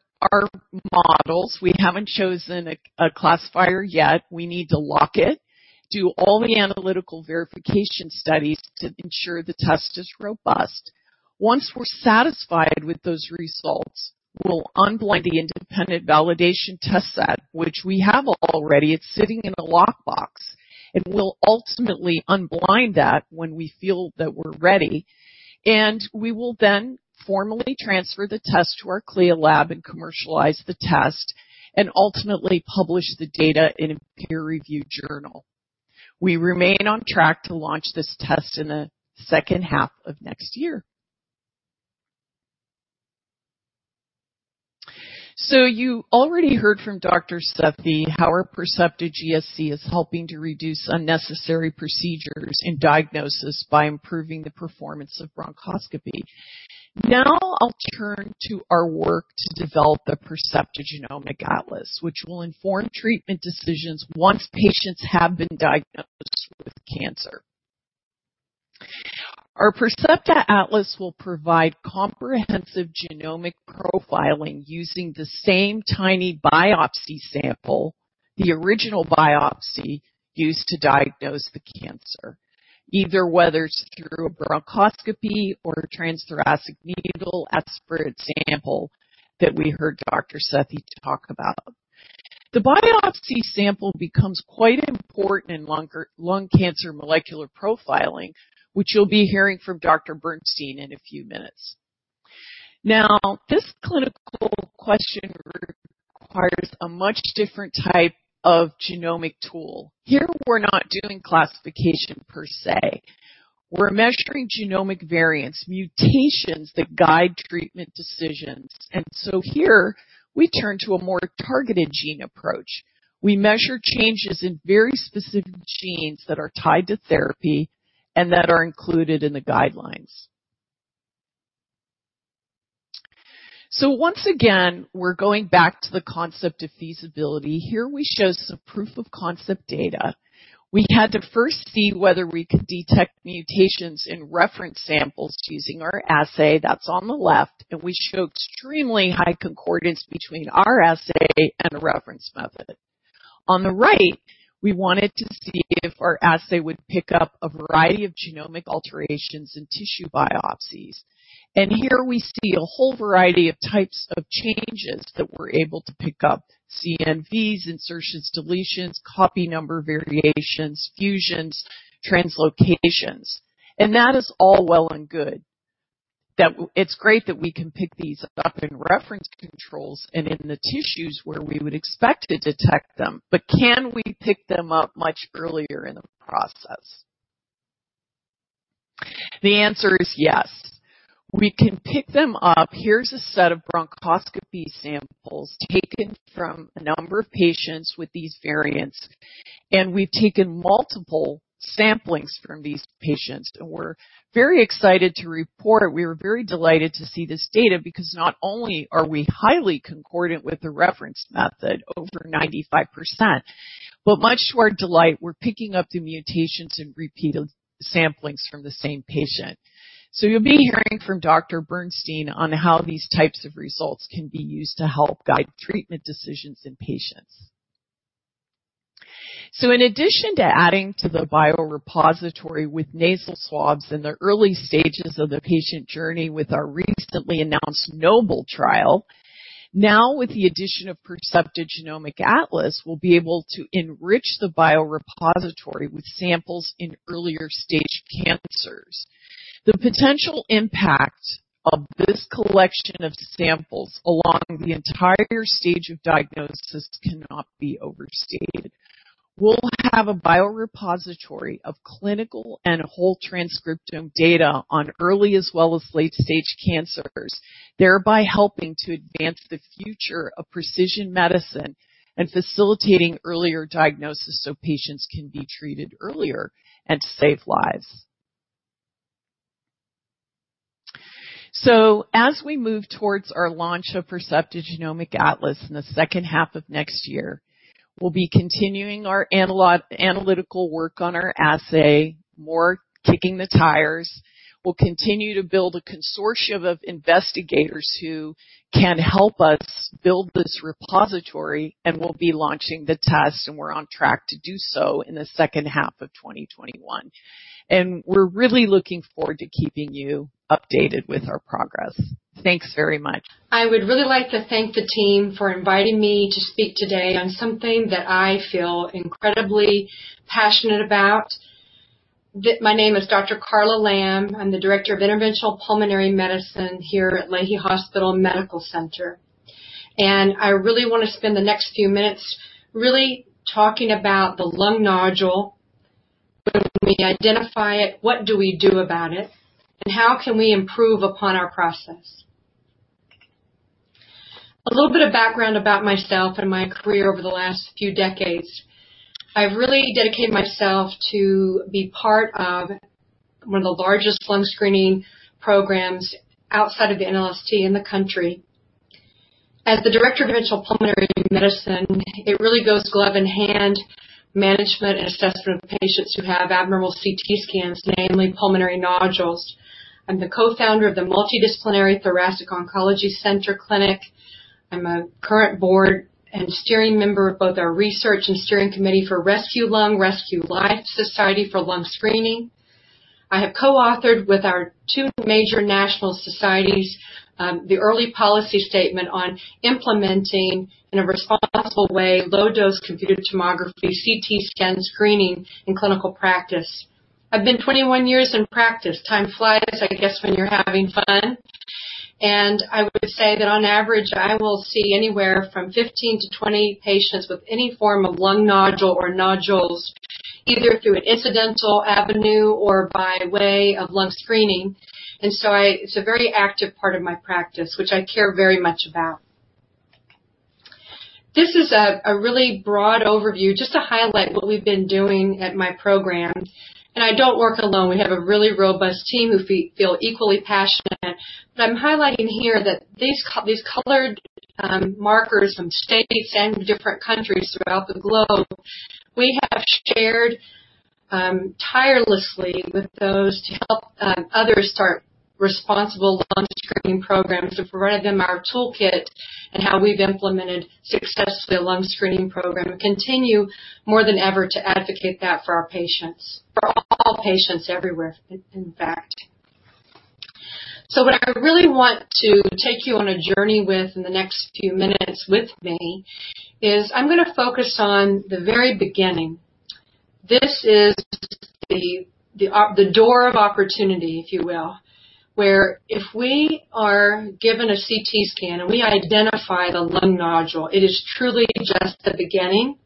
models. We haven't chosen a classifier yet. We need to lock it, do all the analytical verification studies to ensure the test is robust. Once we're satisfied with those results, we'll unblind the independent validation test set, which we have already. It's sitting in a lockbox, and we'll ultimately unblind that when we feel that we're ready. We will then formally transfer the test to our CLIA lab and commercialize the test and ultimately publish the data in a peer-reviewed journal. We remain on track to launch this test in the second half of next year. You already heard from Dr. Sethi how our Percepta GSC is helping to reduce unnecessary procedures and diagnosis by improving the performance of bronchoscopy. I'll turn to our work to develop a Percepta Genomic Atlas, which will inform treatment decisions once patients have been diagnosed with cancer. Our Percepta Atlas will provide comprehensive genomic profiling using the same tiny biopsy sample, the original biopsy used to diagnose the cancer, either whether it's through a bronchoscopy or a transthoracic needle aspirated sample that we heard Dr. Sethi talk about. The biopsy sample becomes quite important in lung cancer molecular profiling, which you'll be hearing from Dr. Bernstein in a few minutes. This clinical question requires a much different type of genomic tool. Here, we're not doing classification per se. We're measuring genomic variants, mutations that guide treatment decisions. Here, we turn to a more targeted gene approach. We measure changes in very specific genes that are tied to therapy and that are included in the guidelines. Once again, we're going back to the concept of feasibility. Here we show some proof-of-concept data. We had to first see whether we could detect mutations in reference samples using our assay. That's on the left, and we show extremely high concordance between our assay and the reference method. On the right, we wanted to see if our assay would pick up a variety of genomic alterations and tissue biopsies. Here we see a whole variety of types of changes that we're able to pick up, CNVs, insertions, deletions, copy number variations, fusions, translocations. That is all well and good. It's great that we can pick these up in reference controls and in the tissues where we would expect to detect them. Can we pick them up much earlier in the process? The answer is yes. We can pick them up. Here's a set of bronchoscopy samples taken from a number of patients with these variants. We've taken multiple samplings from these patients. We're very excited to report, we were very delighted to see this data because not only are we highly concordant with the reference method, over 95%, but much to our delight, we're picking up the mutations in repeated samplings from the same patient. You'll be hearing from Dr. Bernstein on how these types of results can be used to help guide treatment decisions in patients. In addition to adding to the biorepository with nasal swabs in the early stages of the patient journey with our recently announced NOBLE trial, now with the addition of Percepta Genomic Atlas, we'll be able to enrich the biorepository with samples in earlier-stage cancers. The potential impact of this collection of samples along the entire stage of diagnosis cannot be overstated. We'll have a biorepository of clinical and whole transcriptome data on early as well as late-stage cancers, thereby helping to advance the future of precision medicine and facilitating earlier diagnosis so patients can be treated earlier and save lives. As we move towards our launch of Percepta Genomic Atlas in the second half of next year, we'll be continuing our analytical work on our assay, more kicking the tires. We'll continue to build a consortium of investigators who can help us build this repository, and we'll be launching the test, and we're on track to do so in the second half of 2021. We're really looking forward to keeping you updated with our progress. Thanks very much. I would really like to thank the team for inviting me to speak today on something that I feel incredibly passionate about. My name is Dr. Carla Lamb. I'm the Director of Interventional Pulmonary Medicine here at Lahey Hospital & Medical Center, and I really want to spend the next few minutes really talking about the lung nodule, when we identify it, what do we do about it, and how can we improve upon our process. A little bit of background about myself and my career over the last few decades. I've really dedicated myself to be part of one of the largest lung screening programs outside of the NLST in the country. As the Director of Interventional Pulmonary Medicine, it really goes glove in hand, management and assessment of patients who have abnormal CT scans, namely pulmonary nodules. I'm the co-founder of the Multidisciplinary Thoracic Oncology Center Clinic. I'm a current board and steering member of both our research and steering committee for Rescue Lung Society for Lung Screening. I have co-authored with our two major national societies, the early policy statement on implementing, in a responsible way, low-dose computed tomography, CT scan screening in clinical practice. I've been 21 years in practice. Time flies, I guess, when you're having fun. I would say that on average, I will see anywhere from 15-20 patients with any form of lung nodule or nodules, either through an incidental avenue or by way of lung screening. It's a very active part of my practice, which I care very much about. This is a really broad overview just to highlight what we've been doing at my program, and I don't work alone. We have a really robust team who feel equally passionate. I'm highlighting here that these colored markers from states and different countries throughout the globe, we have shared tirelessly with those to help others start responsible lung screening programs. We've provided them our toolkit and how we've implemented successfully a lung screening program, and continue more than ever to advocate that for our patients, for all patients everywhere, in fact. What I really want to take you on a journey with in the next few minutes with me is I'm going to focus on the very beginning. This is the door of opportunity, if you will, where if we are given a CT scan, and we identify the lung nodule, it is truly just the beginning.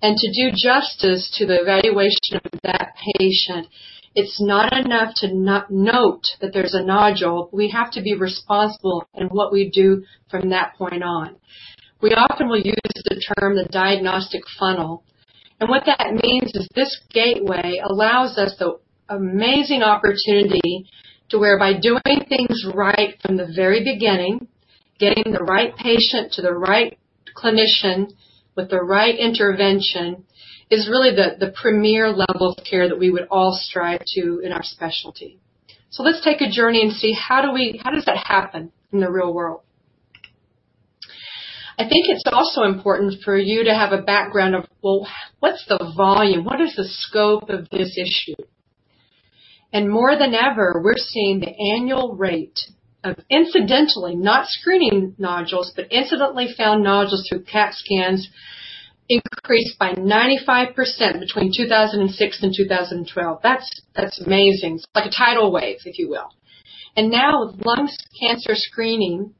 To do justice to the evaluation of that patient, it's not enough to note that there's a nodule. We have to be responsible in what we do from that point on. We often will use the term the diagnostic funnel, and what that means is this gateway allows us the amazing opportunity to, whereby doing things right from the very beginning, getting the right patient to the right clinician with the right intervention, is really the premier level of care that we would all strive to in our specialty. Let's take a journey and see how does that happen in the real world. I think it's also important for you to have a background of, well, what's the volume? What is the scope of this issue? More than ever, we're seeing the annual rate of incidentally, not screening nodules, but incidentally found nodules through CAT scans increase by 95% between 2006 and 2012. That's amazing. It's like a tidal wave, if you will. Now, lung cancer screening,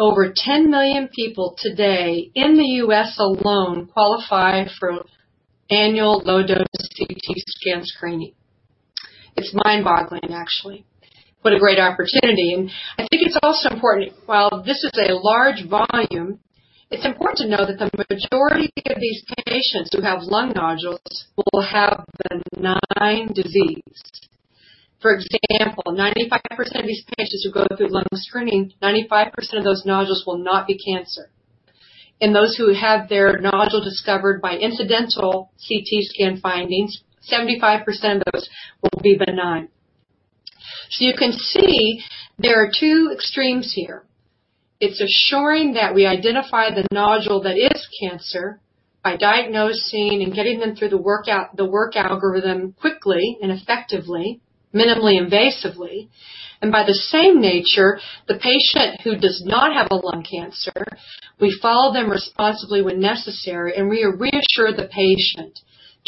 over 10 million people today in the U.S. alone qualify for annual low-dose CT scan screening. It's mind-boggling, actually. What a great opportunity. I think it's also important, while this is a large volume, it's important to know that the majority of these patients who have lung nodules will have benign disease. For example, 95% of these patients who go through lung screening, 95% of those nodules will not be cancer. Those who have their nodule discovered by incidental CT scan findings, 75% of those will be benign. You can see there are two extremes here. It's assuring that we identify the nodule that is cancer by diagnosing and getting them through the work algorithm quickly and effectively, minimally invasively. By the same nature, the patient who does not have a lung cancer, we follow them responsibly when necessary, and we reassure the patient to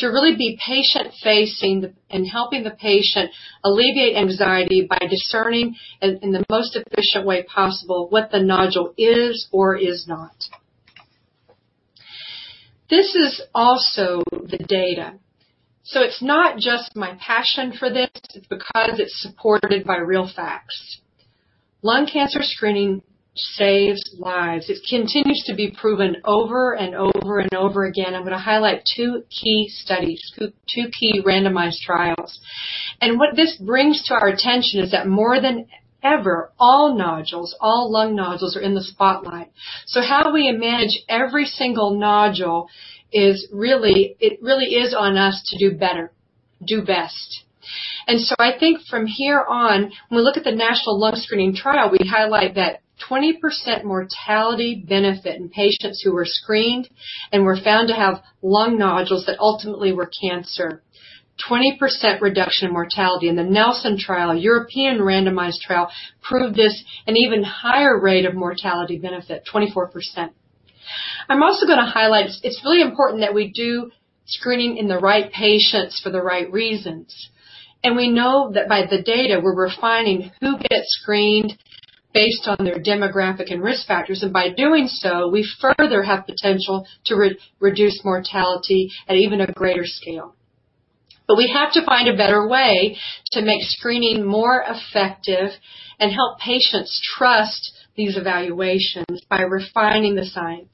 really be patient-facing and helping the patient alleviate anxiety by discerning in the most efficient way possible what the nodule is or is not. This is also the data. It's not just my passion for this. It's because it's supported by real facts. Lung cancer screening saves lives. It continues to be proven over and over and over again. I'm going to highlight two key studies, two key randomized trials. What this brings to our attention is that more than ever, all lung nodules are in the spotlight. How do we manage every single nodule, it really is on us to do better, do best. I think from here on, when we look at the National Lung Screening Trial, we highlight that 20% mortality benefit in patients who were screened and were found to have lung nodules that ultimately were cancer, 20% reduction in mortality. The NELSON trial, European randomized trial, proved this, an even higher rate of mortality benefit, 24%. I'm also going to highlight, it's really important that we do screening in the right patients for the right reasons. We know that by the data, we're refining who gets screened based on their demographic and risk factors, and by doing so, we further have potential to reduce mortality at even a greater scale. We have to find a better way to make screening more effective and help patients trust these evaluations by refining the science.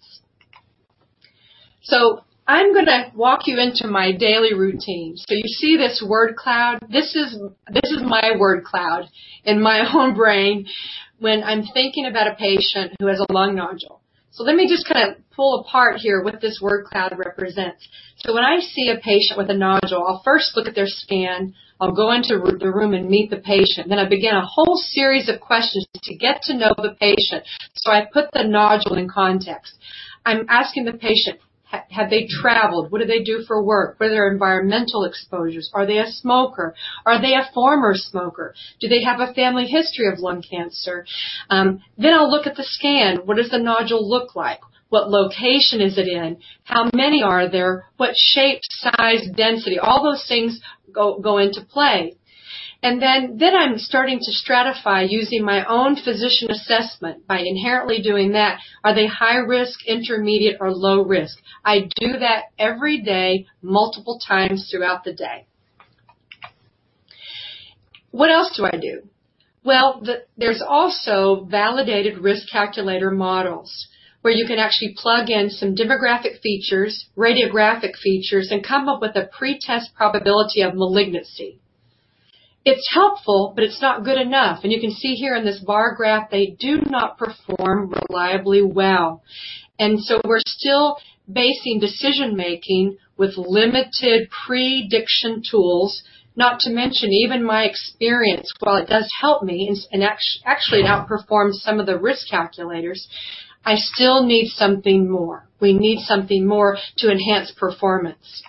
I'm going to walk you into my daily routine. You see this word cloud? This is my word cloud in my own brain when I'm thinking about a patient who has a lung nodule. Let me just kind of pull apart here what this word cloud represents. When I see a patient with a nodule, I'll first look at their scan. I'll go into the room and meet the patient. I begin a whole series of questions to get to know the patient. I put the nodule in context. I'm asking the patient, have they traveled? What do they do for work? What are their environmental exposures? Are they a smoker? Are they a former smoker? Do they have a family history of lung cancer? I'll look at the scan. What does the nodule look like? What location is it in? How many are there? What shape, size, density? All those things go into play. I'm starting to stratify using my own physician assessment. By inherently doing that, are they high risk, intermediate, or low risk? I do that every day, multiple times throughout the day. What else do I do? Well, there's also validated risk calculator models where you can actually plug in some demographic features, radiographic features, and come up with a pretest probability of malignancy. It's helpful, but it's not good enough. You can see here in this bar graph, they do not perform reliably well. We're still basing decision-making with limited prediction tools. Not to mention even my experience, while it does help me and actually outperforms some of the risk calculators, I still need something more. We need something more to enhance performance.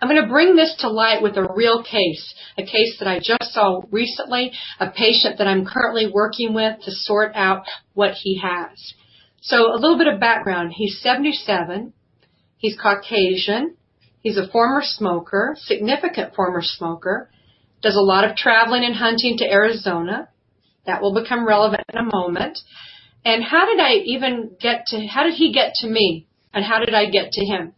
I'm going to bring this to light with a real case, a case that I just saw recently, a patient that I'm currently working with to sort out what he has. A little bit of background. He's 77. He's Caucasian. He's a former smoker, significant former smoker. Does a lot of traveling and hunting to Arizona. That will become relevant in a moment. How did he get to me, and how did I get to him?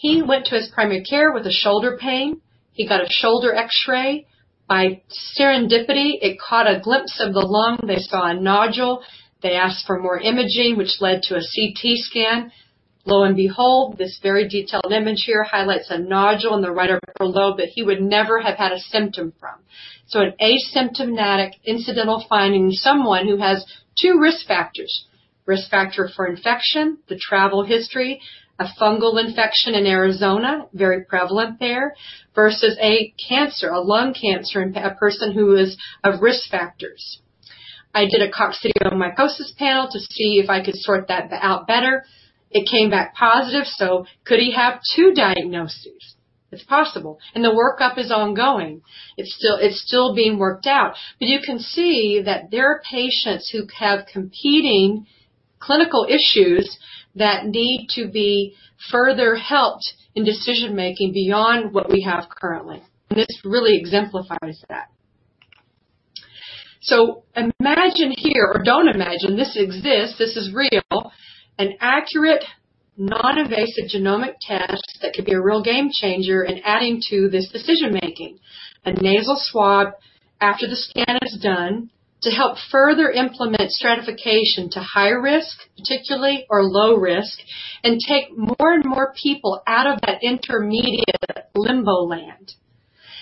He went to his primary care with a shoulder pain. He got a shoulder X-ray. By serendipity, it caught a glimpse of the lung. They saw a nodule. They asked for more imaging, which led to a CT scan. Lo and behold, this very detailed image here highlights a nodule in the right upper lobe that he would never have had a symptom from. An asymptomatic incidental finding in someone who has two risk factors, risk factor for infection, the travel history, a fungal infection in Arizona, very prevalent there, versus a cancer, a lung cancer in a person who is of risk factors. I did a coccidioidomycosis panel to see if I could sort that out better. It came back positive. Could he have two diagnoses? It's possible. The workup is ongoing. It's still being worked out. You can see that there are patients who have competing clinical issues that need to be further helped in decision-making beyond what we have currently, and this really exemplifies that. Imagine here, or don't imagine, this exists, this is real, an accurate, non-invasive genomic test that could be a real game changer in adding to this decision-making. A nasal swab after the scan is done to help further implement stratification to high risk, particularly, or low risk, and take more and more people out of that intermediate limbo land,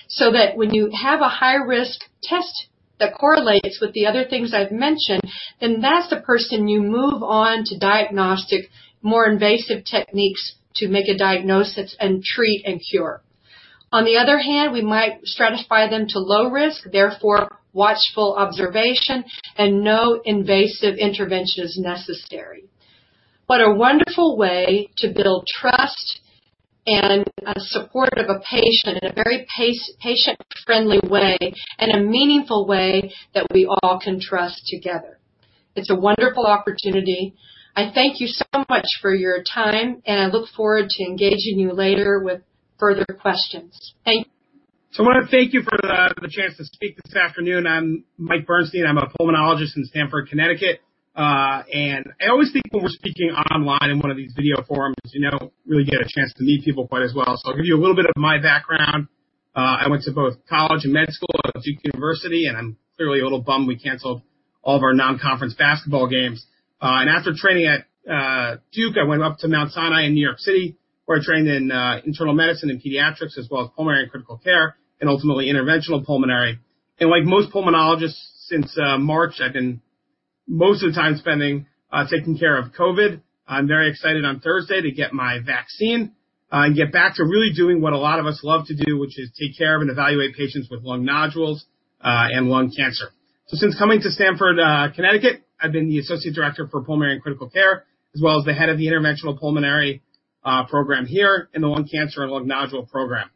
so that when you have a high-risk test that correlates with the other things I've mentioned, that's the person you move on to diagnostic, more invasive techniques to make a diagnosis and treat and cure. On the other hand, we might stratify them to low risk, therefore watchful observation and no invasive intervention is necessary. What a wonderful way to build trust and support of a patient in a very patient-friendly way and a meaningful way that we all can trust together. It's a wonderful opportunity. I thank you so much for your time, and I look forward to engaging you later with further questions. Thank you. I want to thank you for the chance to speak this afternoon. I'm Mike Bernstein. I'm a pulmonologist in Stamford, Connecticut. I always think when we're speaking online in one of these video forums, you don't really get a chance to meet people quite as well. I'll give you a little bit of my background. I went to both college and med school at Duke University. I'm clearly a little bummed we canceled all of our non-conference basketball games. After training at Duke, I went up to Mount Sinai in New York City, where I trained in internal medicine and pediatrics, as well as pulmonary and critical care, and ultimately interventional pulmonary. Like most pulmonologists since March, I've been, most of the time, spending taking care of COVID. I'm very excited on Thursday to get my vaccine and get back to really doing what a lot of us love to do, which is take care of and evaluate patients with lung nodules and lung cancer. Since coming to Stamford, Connecticut, I've been the associate director for pulmonary critical care, as well as the head of the interventional pulmonary program here in the lung cancer and lung nodule program.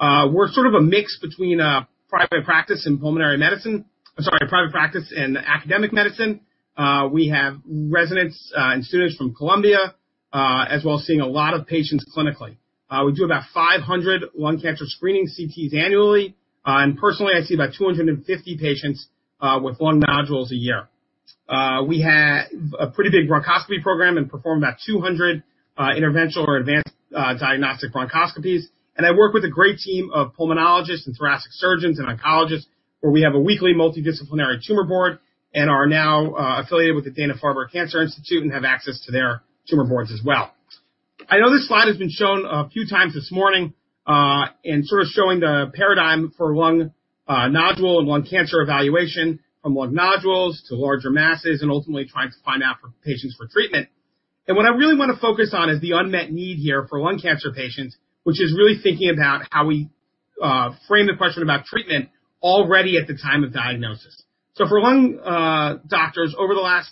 We're sort of a mix between private practice and pulmonary medicine. I'm sorry, private practice and academic medicine. We have residents and students from Columbia, as well as seeing a lot of patients clinically. We do about 500 lung cancer screening CTs annually, and personally, I see about 250 patients with lung nodules a year. We have a pretty big bronchoscopy program and perform about 200 interventional or advanced diagnostic bronchoscopies. I work with a great team of pulmonologists and thoracic surgeons and oncologists, where we have a weekly multidisciplinary tumor board and are now affiliated with the Dana-Farber Cancer Institute and have access to their tumor boards as well. What I really want to focus on is the unmet need here for lung cancer patients, which is really thinking about how we frame the question about treatment already at the time of diagnosis. For lung doctors, over the last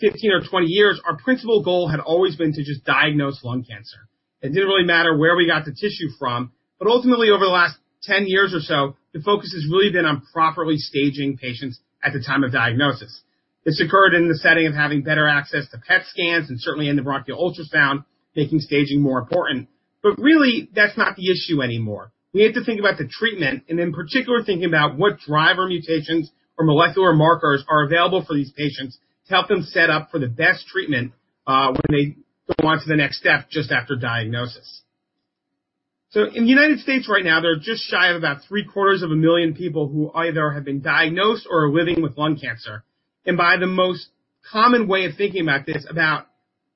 15 or 20 years, our principal goal had always been to just diagnose lung cancer. It didn't really matter where we got the tissue from, but ultimately, over the last 10 years or so, the focus has really been on properly staging patients at the time of diagnosis. This occurred in the setting of having better access to PET scans and certainly endobronchial ultrasound, making staging more important. Really, that's not the issue anymore. We have to think about the treatment and in particular, thinking about what driver mutations or molecular markers are available for these patients to help them set up for the best treatment, when they go on to the next step just after diagnosis. In the U.S. right now, they're just shy of about 3/4 of a million people who either have been diagnosed or are living with lung cancer. By the most common way of thinking about this, about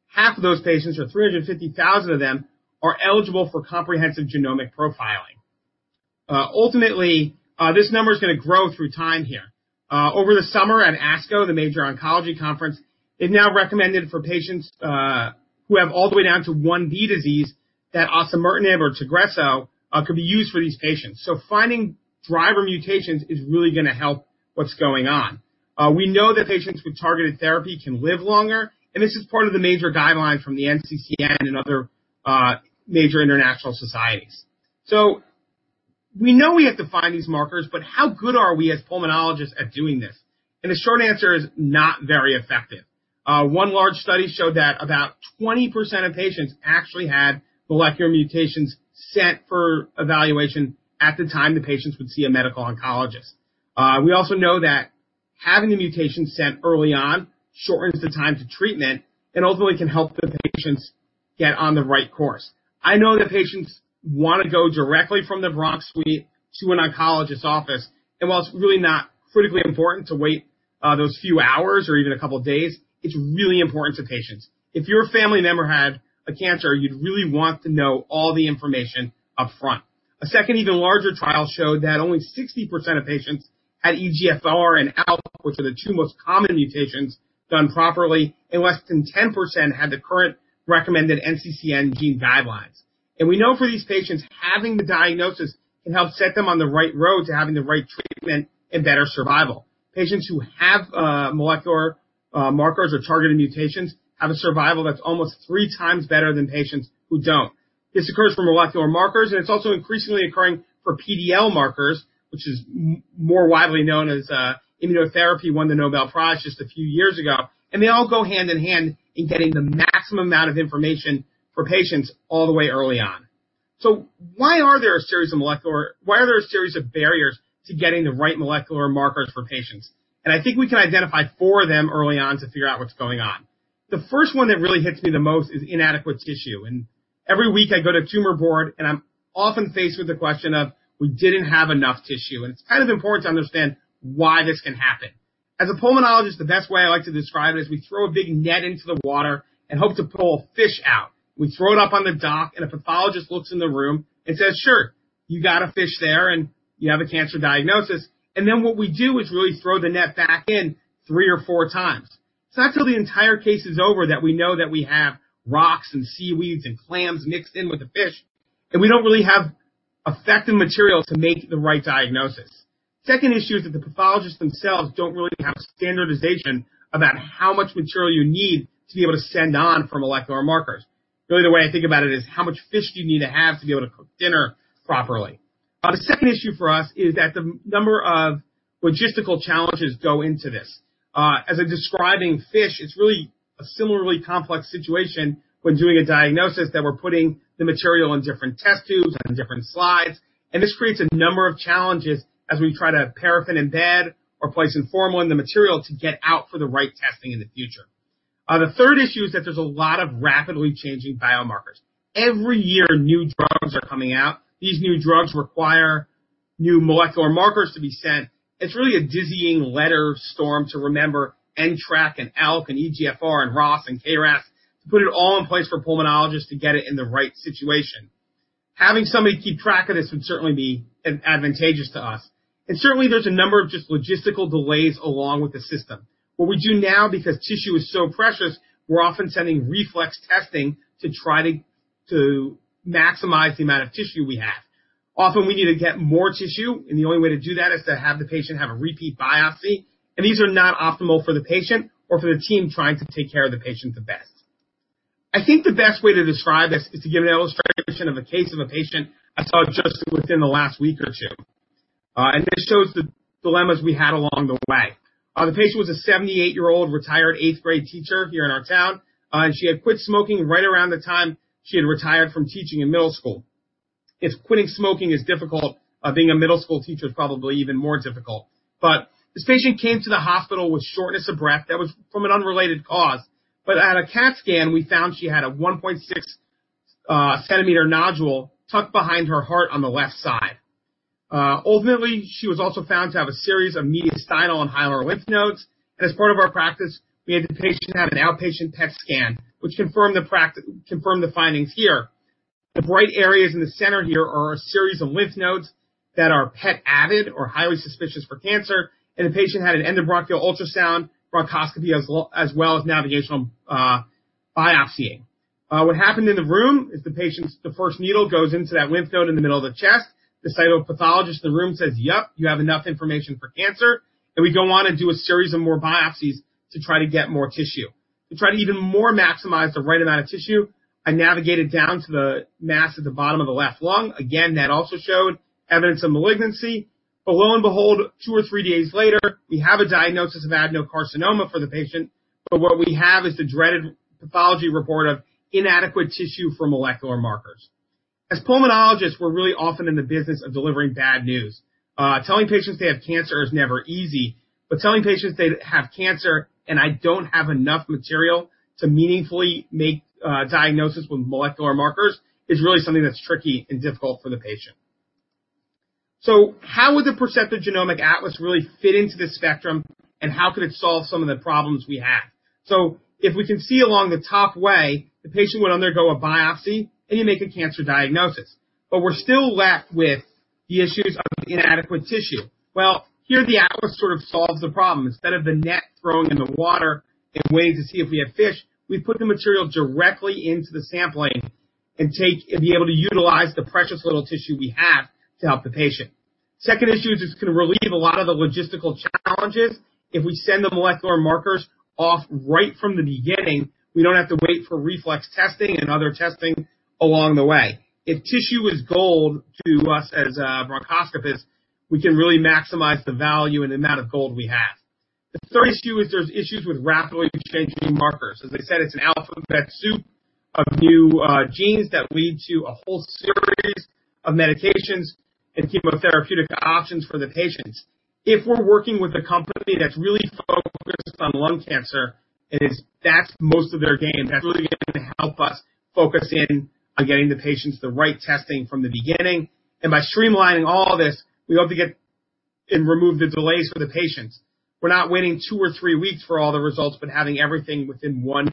half of those patients, or 350,000 of them, are eligible for comprehensive genomic profiling. Ultimately, this number is going to grow through time here. Over the summer at ASCO, the major oncology conference, it now recommended for patients who have all the way down to 1B disease that osimertinib or TAGRISSO could be used for these patients. Finding driver mutations is really going to help what's going on. We know that patients with targeted therapy can live longer, and this is part of the major guideline from the NCCN and other major international societies. We know we have to find these markers, but how good are we as pulmonologists at doing this? The short answer is not very effective. One large study showed that about 20% of patients actually had molecular mutations sent for evaluation at the time the patients would see a medical oncologist. We also know that having a mutation sent early on shortens the time to treatment and ultimately can help the patients get on the right course. While it's really not critically important to wait those few hours or even a couple of days, it's really important to patients. If your family member had a cancer, you'd really want to know all the information up front. A second even larger trial showed that only 60% of patients had EGFR and ALK, which are the two most common mutations, done properly, and less than 10% had the current recommended NCCN gene guidelines. We know for these patients, having the diagnosis can help set them on the right road to having the right treatment and better survival. Patients who have molecular markers or targeted mutations have a survival that's almost three times better than patients who don't. This occurs for molecular markers, and it's also increasingly occurring for PD-L1 markers, which is more widely known as immunotherapy, won the Nobel Prize just a few years ago, and they all go hand-in-hand in getting the maximum amount of information for patients all the way early on. Why are there a series of barriers to getting the right molecular markers for patients? I think we can identify four of them early on to figure out what's going on. The first one that really hits me the most is inadequate tissue. Every week I go to tumor board, and I'm often faced with the question of we didn't have enough tissue. It's kind of important to understand why this can happen. As a pulmonologist, the best way I like to describe it is we throw a big net into the water and hope to pull fish out. We throw it up on the dock, and a pathologist looks in the room and says, "Sure, you got a fish there, and you have a cancer diagnosis." What we do is really throw the net back in three or four times. It's not till the entire case is over that we know that we have rocks and seaweeds and clams mixed in with the fish, and we don't really have effective material to make the right diagnosis. Second issue is that the pathologists themselves don't really have standardization about how much material you need to be able to send on for molecular markers. Really, the way I think about it is how much fish do you need to have to be able to cook dinner properly? The second issue for us is that the number of logistical challenges go into this. As I'm describing fish, it's really a similarly complex situation when doing a diagnosis that we're putting the material in different test tubes and different slides, and this creates a number of challenges as we try to paraffin embed or place in formalin the material to get out for the right testing in the future. The third issue is that there's a lot of rapidly changing biomarkers. Every year, new drugs are coming out. These new drugs require new molecular markers to be sent. It's really a dizzying letter storm to remember NTRK and ALK and EGFR and ROS and KRAS, to put it all in place for pulmonologists to get it in the right situation. Having somebody keep track of this would certainly be advantageous to us. Certainly, there's a number of just logistical delays along with the system. What we do now, because tissue is so precious, we're often sending reflex testing to try to maximize the amount of tissue we have. Often we need to get more tissue, and the only way to do that is to have the patient have a repeat biopsy, and these are not optimal for the patient or for the team trying to take care of the patient the best. I think the best way to describe this is to give an illustration of a case of a patient I saw just within the last week or two, and this shows the dilemmas we had along the way. The patient was a 78-year-old retired eighth-grade teacher here in our town. She had quit smoking right around the time she had retired from teaching in middle school. If quitting smoking is difficult, being a middle school teacher is probably even more difficult. This patient came to the hospital with shortness of breath that was from an unrelated cause, but at a CAT scan, we found she had a 1.6 cm nodule tucked behind her heart on the left side. Ultimately, she was also found to have a series of mediastinal and hilar lymph nodes. As part of our practice, we had the patient have an outpatient PET scan, which confirmed the findings here. The bright areas in the center here are a series of lymph nodes that are PET avid or highly suspicious for cancer. The patient had an endobronchial ultrasound, bronchoscopy, as well as navigational biopsying. What happened in the room is the first needle goes into that lymph node in the middle of the chest. The cytopathologist in the room says, "Yep, you have enough information for cancer." We go on and do a series of more biopsies to try to get more tissue. To try to even more maximize the right amount of tissue, I navigated down to the mass at the bottom of the left lung. Again, that also showed evidence of malignancy. Lo and behold, two or three days later, we have a diagnosis of adenocarcinoma for the patient. What we have is the dreaded pathology report of inadequate tissue for molecular markers. As pulmonologists, we're really often in the business of delivering bad news. Telling patients they have cancer is never easy, but telling patients they have cancer and I don't have enough material to meaningfully make a diagnosis with molecular markers is really something that's tricky and difficult for the patient. How would the Percepta Genomic Atlas really fit into this spectrum, and how could it solve some of the problems we have? If we can see along the top way, the patient would undergo a biopsy, and you make a cancer diagnosis. We're still left with the issues of inadequate tissue. Here the Atlas sort of solves the problem. Instead of the net thrown in the water and waiting to see if we have fish, we put the material directly into the sample lane and be able to utilize the precious little tissue we have to help the patient. Second issue is it's going to relieve a lot of the logistical challenges. If we send the molecular markers off right from the beginning, we don't have to wait for reflex testing and other testing along the way. If tissue is gold to us as bronchoscopists, we can really maximize the value and amount of gold we have. The third issue is there's issues with rapidly changing markers. As I said, it's an alphabet soup of new genes that lead to a whole series of medications and chemotherapeutic options for the patients. If we're working with a company that's really focused on lung cancer, and that's most of their game, that's really going to help us focus in on getting the patients the right testing from the beginning. By streamlining all this, we hope to get and remove the delays for the patients. We're not waiting two or three weeks for all the results, but having everything within one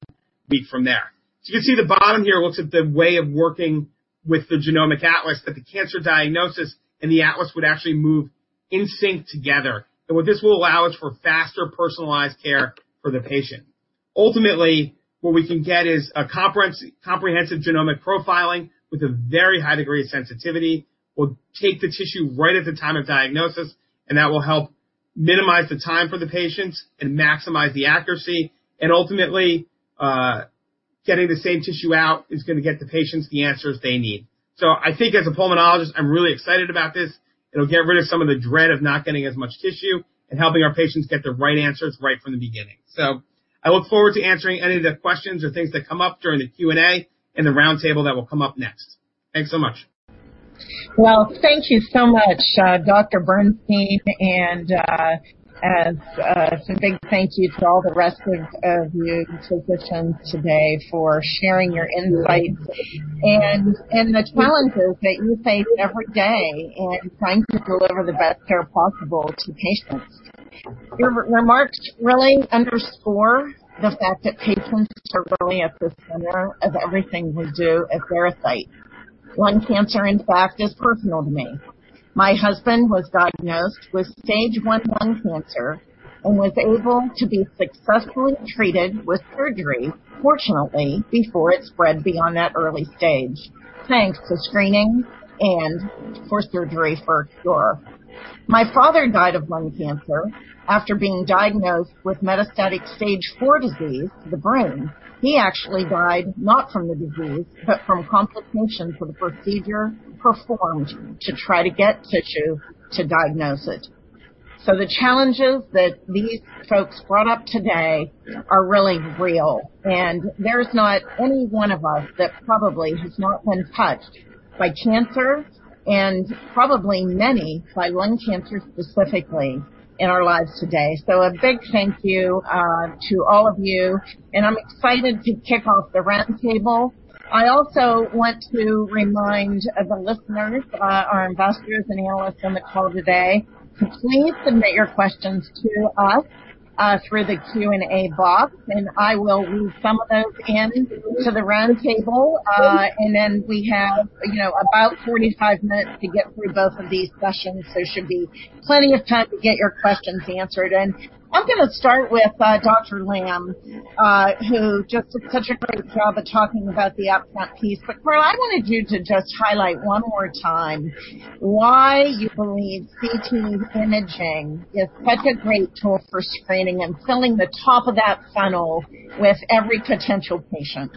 week from there. You can see the bottom here looks at the way of working with the Genomic Atlas, that the cancer diagnosis and the Atlas would actually move in sync together. What this will allow is for faster personalized care for the patient. Ultimately, what we can get is a comprehensive genomic profiling with a very high degree of sensitivity. We'll take the tissue right at the time of diagnosis, and that will help minimize the time for the patients and maximize the accuracy. Ultimately, getting the same tissue out is going to get the patients the answers they need. I think as a pulmonologist, I'm really excited about this. It'll get rid of some of the dread of not getting as much tissue and helping our patients get the right answers right from the beginning. I look forward to answering any of the questions or things that come up during the Q&A and the round table that will come up next. Thanks so much. Well, thank you so much, Dr. Bernstein, and a big thank you to all the rest of you physicians today for sharing your insights and the challenges that you face every day in trying to deliver the best care possible to patients. Your remarks really underscore the fact that patients are really at the center of everything we do at Veracyte. Lung cancer, in fact, is personal to me. My husband was diagnosed with stage I lung cancer and was able to be successfully treated with surgery, fortunately, before it spread beyond that early stage, thanks to screening and for surgery for sure. My father died of lung cancer after being diagnosed with metastatic stage IV disease to the brain. He actually died not from the disease, but from complications of the procedure performed to try to get tissue to diagnose it. The challenges that these folks brought up today are really real, and there's not any one of us that probably has not been touched by cancer, and probably many by lung cancer, specifically, in our lives today. A big thank you to all of you, and I'm excited to kick off the roundtable. I also want to remind the listeners, our investors, and analysts on the call today to please submit your questions to us through the Q&A box, and I will weave some of those into the roundtable. We have about 45 minutes to get through both of these sessions. There should be plenty of time to get your questions answered. I'm going to start with Dr. Lamb, who just did such a great job of talking about the upfront piece. Carla, I wanted you to just highlight one more time why you believe CT imaging is such a great tool for screening and filling the top of that funnel with every potential patient.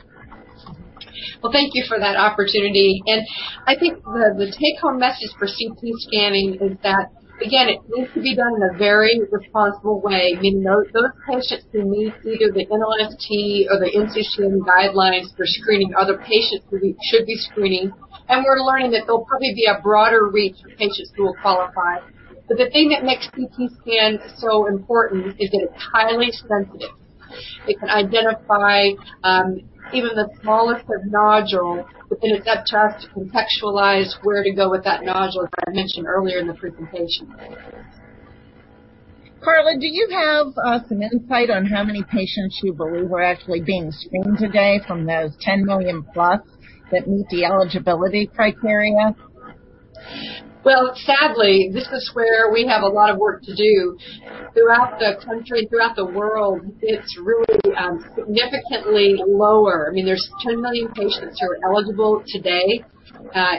Well, thank you for that opportunity. I think the take-home message for CT scanning is that, again, it needs to be done in a very responsible way. We know those patients who meet either the NLST or the institute guidelines for screening are the patients who we should be screening. We're learning that there'll probably be a broader reach for patients who will qualify. The thing that makes CT scan so important is that it's highly sensitive. It can identify even the smallest of nodules, but then it's up to us to contextualize where to go with that nodule, as I mentioned earlier in the presentation. Carla, do you have some insight on how many patients you believe were actually being screened today from those 10+ million that meet the eligibility criteria? Well, sadly, this is where we have a lot of work to do. Throughout the country, throughout the world, it's really significantly lower. There's 10 million patients who are eligible today,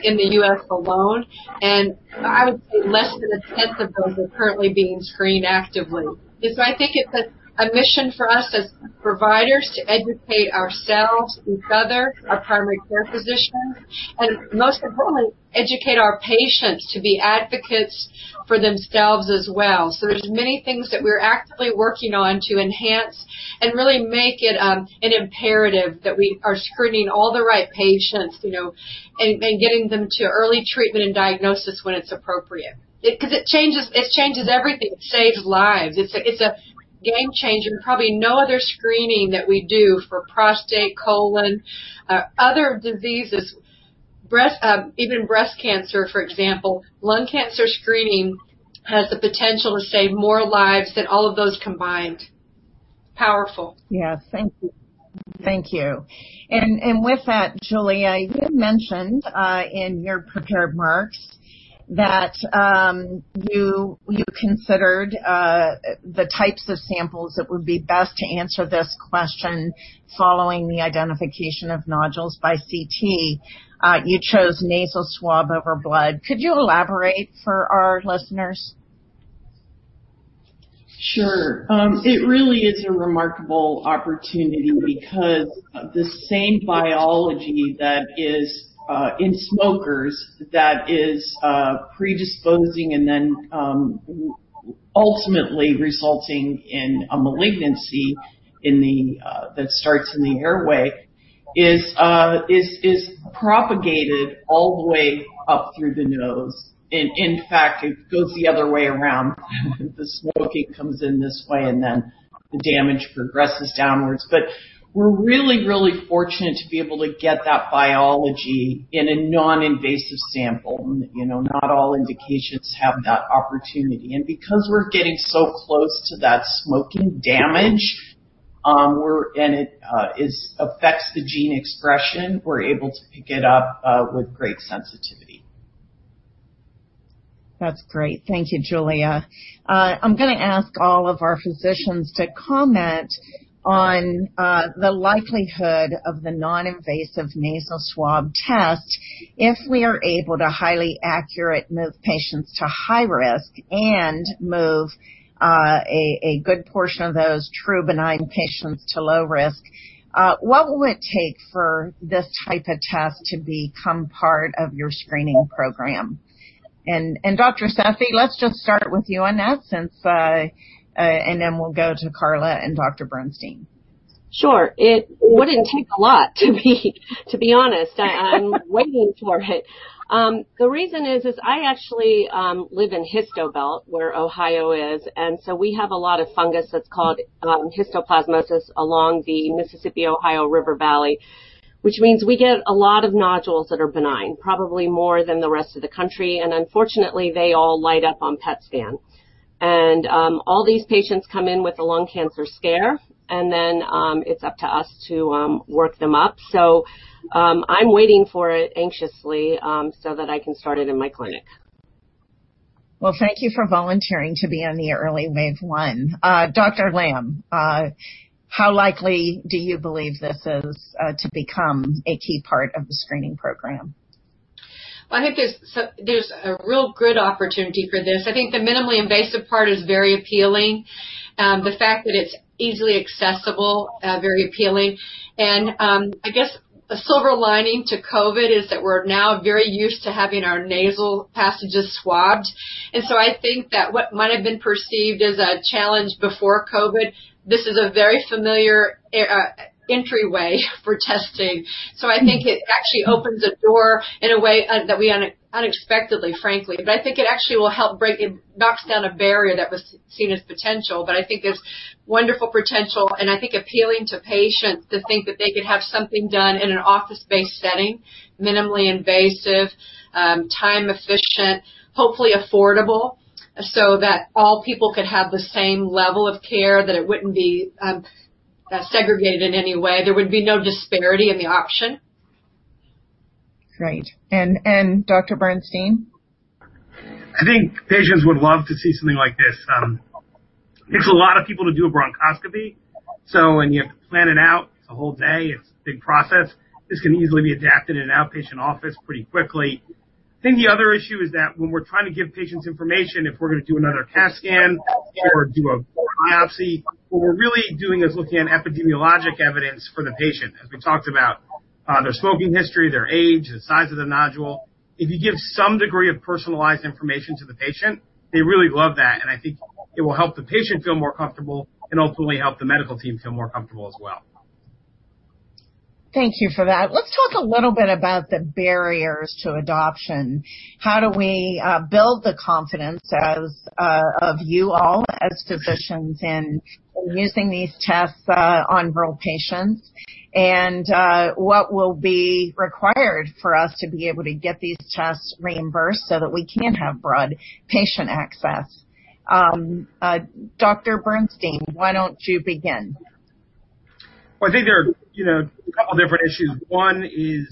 in the U.S. alone. I would say less than a tenth of those are currently being screened actively. I think it's a mission for us as providers to educate ourselves, each other, our primary care physicians, and most importantly, educate our patients to be advocates for themselves as well. There's many things that we're actively working on to enhance and really make it an imperative that we are screening all the right patients, and getting them to early treatment and diagnosis when it's appropriate. It changes everything. It saves lives. It's a game changer. Probably no other screening that we do for prostate, colon, other diseases, even breast cancer, for example. Lung cancer screening has the potential to save more lives than all of those combined. Powerful. Yes. Thank you. With that, Giulia, you had mentioned in your prepared remarks that you considered the types of samples that would be best to answer this question following the identification of nodules by CT. You chose nasal swab over blood. Could you elaborate for our listeners? Sure. It really is a remarkable opportunity because the same biology that is in smokers, that is predisposing and then ultimately resulting in a malignancy that starts in the airway is propagated all the way up through the nose. In fact, it goes the other way around. The smoking comes in this way, and then the damage progresses downwards. We're really, really fortunate to be able to get that biology in a non-invasive sample. Not all indications have that opportunity. Because we're getting so close to that smoking damage, and it affects the gene expression, we're able to pick it up with great sensitivity. That's great. Thank you, Giulia. I'm going to ask all of our physicians to comment on the likelihood of the non-invasive nasal swab test if we are able to highly accurate move patients to high risk and move a good portion of those true benign patients to low risk. What will it take for this type of test to become part of your screening program? Dr. Sethi, let's just start with you on that, then we'll go to Carla and Dr. Bernstein. Sure. It wouldn't take a lot, to be honest. I'm waiting for it. The reason is, I actually live in Histo Belt, where Ohio is. We have a lot of fungus that's called histoplasmosis along the Mississippi Ohio River Valley, which means we get a lot of nodules that are benign, probably more than the rest of the country. Unfortunately, they all light up on PET scan. All these patients come in with a lung cancer scare, and then it's up to us to work them up. I'm waiting for it anxiously so that I can start it in my clinic. Thank you for volunteering to be on the early wave one. Dr. Lamb, how likely do you believe this is to become a key part of the screening program? Well, I think there's a real good opportunity for this. I think the minimally invasive part is very appealing. The fact that it's easily accessible, very appealing. I guess a silver lining to COVID is that we're now very used to having our nasal passages swabbed. I think that what might have been perceived as a challenge before COVID, this is a very familiar entryway for testing. I think it actually opens a door in a way that we unexpectedly, frankly. I think it actually will help knock down a barrier that was seen as potential. I think there's wonderful potential, and I think appealing to patients to think that they could have something done in an office-based setting, minimally invasive, time efficient, hopefully affordable, so that all people could have the same level of care, that it wouldn't be segregated in any way. There would be no disparity in the option. Great. Dr. Bernstein? I think patients would love to see something like this. It takes a lot of people to do a bronchoscopy. When you plan it out, it's a whole day, it's a big process. This can easily be adapted in an outpatient office pretty quickly. I think the other issue is that when we're trying to give patients information, if we're going to do another CT scan or do a biopsy, what we're really doing is looking at epidemiologic evidence for the patient, as we talked about their smoking history, their age, the size of the nodule. If you give some degree of personalized information to the patient, they really love that, and I think it will help the patient feel more comfortable and ultimately help the medical team feel more comfortable as well. Thank you for that. Let's talk a little bit about the barriers to adoption. How do we build the confidence as of you all as physicians in using these tests on real patients? What will be required for us to be able to get these tests reimbursed so that we can have broad patient access? Dr. Bernstein, why don't you begin? I think there are a couple of different issues. One is,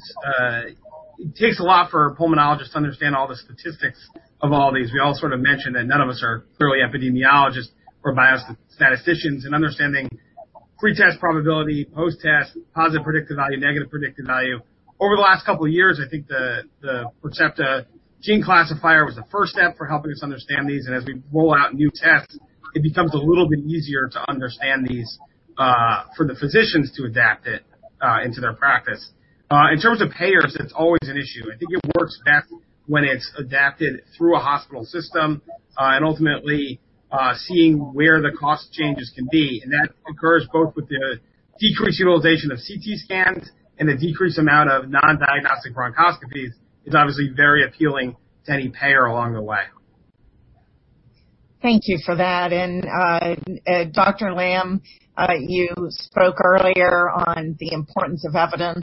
it takes a lot for a pulmonologist to understand all the statistics of all these. We all sort of mentioned that none of us are clearly epidemiologists or biostatisticians, and understanding pre-test probability, post-test, positive predictive value, negative predictive value. Over the last couple of years, I think the Percepta Genomic Sequencing Classifier was the first step for helping us understand these, and as we roll out new tests, it becomes a little bit easier to understand these for the physicians to adapt it into their practice. In terms of payers, it's always an issue. I think it works best when it's adapted through a hospital system, and ultimately, seeing where the cost changes can be. That occurs both with the decreased utilization of CT scans and the decreased amount of non-diagnostic bronchoscopies is obviously very appealing to any payer along the way. Thank you for that. Dr. Lamb, you spoke earlier on the importance of evidence,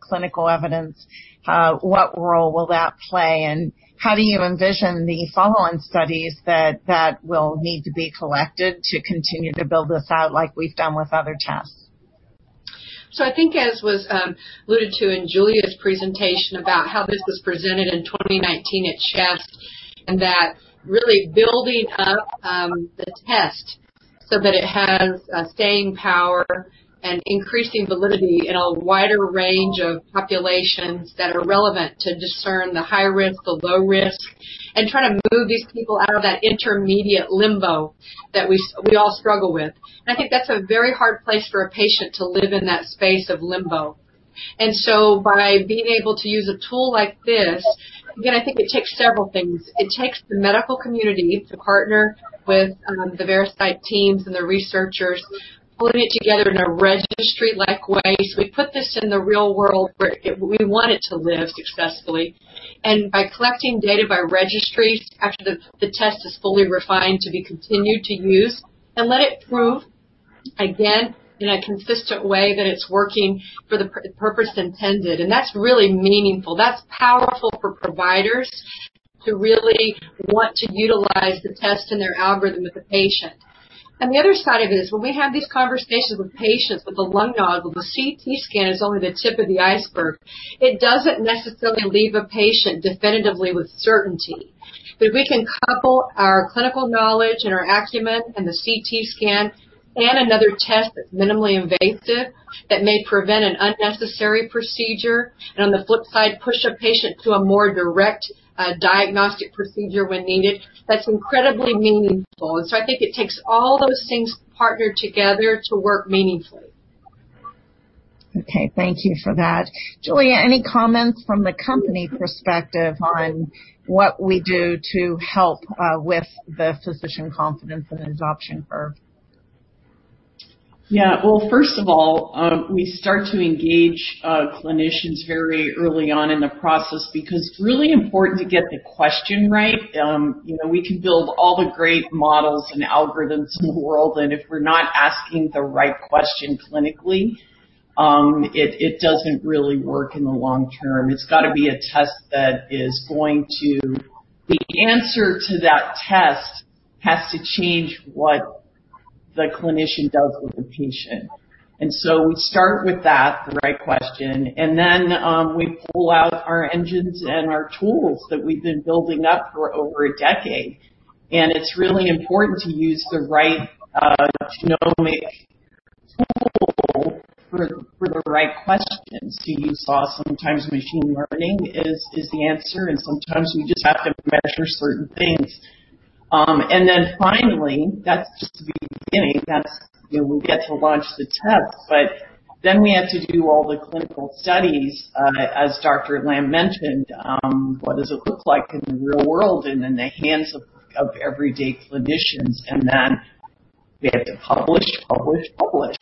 clinical evidence. What role will that play, and how do you envision the follow-on studies that will need to be collected to continue to build this out like we've done with other tests? I think as was alluded to in Giulia's presentation about how this was presented in 2019 at CHEST, and that really building up the test so that it has a staying power and increasing validity in a wider range of populations that are relevant to discern the high risk, the low risk, and try to move these people out of that intermediate limbo that we all struggle with. I think that's a very hard place for a patient to live in that space of limbo. By being able to use a tool like this, again, I think it takes several things. It takes the medical community to partner with the Veracyte teams and the researchers, pulling it together in a registry-like way. We put this in the real world where we want it to live successfully. By collecting data by registries, after the test is fully refined to be continued to use, and let it prove again in a consistent way that it's working for the purpose intended. That's really meaningful. That's powerful for providers to really want to utilize the test in their algorithm with the patient. The other side of it is, when we have these conversations with patients with a lung nodule, the CT scan is only the tip of the iceberg. It doesn't necessarily leave a patient definitively with certainty. If we can couple our clinical knowledge and our acumen and the CT scan and another test that's minimally invasive that may prevent an unnecessary procedure, and on the flip side, push a patient to a more direct diagnostic procedure when needed, that's incredibly meaningful. I think it takes all those things partnered together to work meaningfully. Okay. Thank you for that. Giulia, any comments from the company perspective on what we do to help with the physician confidence and adoption curve? Yeah. Well, first of all, we start to engage clinicians very early on in the process because it's really important to get the question right. We can build all the great models and algorithms in the world, if we're not asking the right question clinically, it doesn't really work in the long term. The answer to that test has to change what the clinician does with the patient. We start with that, the right question, then we pull out our engines and our tools that we've been building up for over a decade. It's really important to use the right genomic tool for the right questions. You saw sometimes machine learning is the answer, sometimes we just have to measure certain things. Finally, that's just the beginning. That's when we get to launch the tests. Then we have to do all the clinical studies, as Dr. Lamb mentioned, what does it look like in the real world and in the hands of everyday clinicians? Then we have to publish, publish.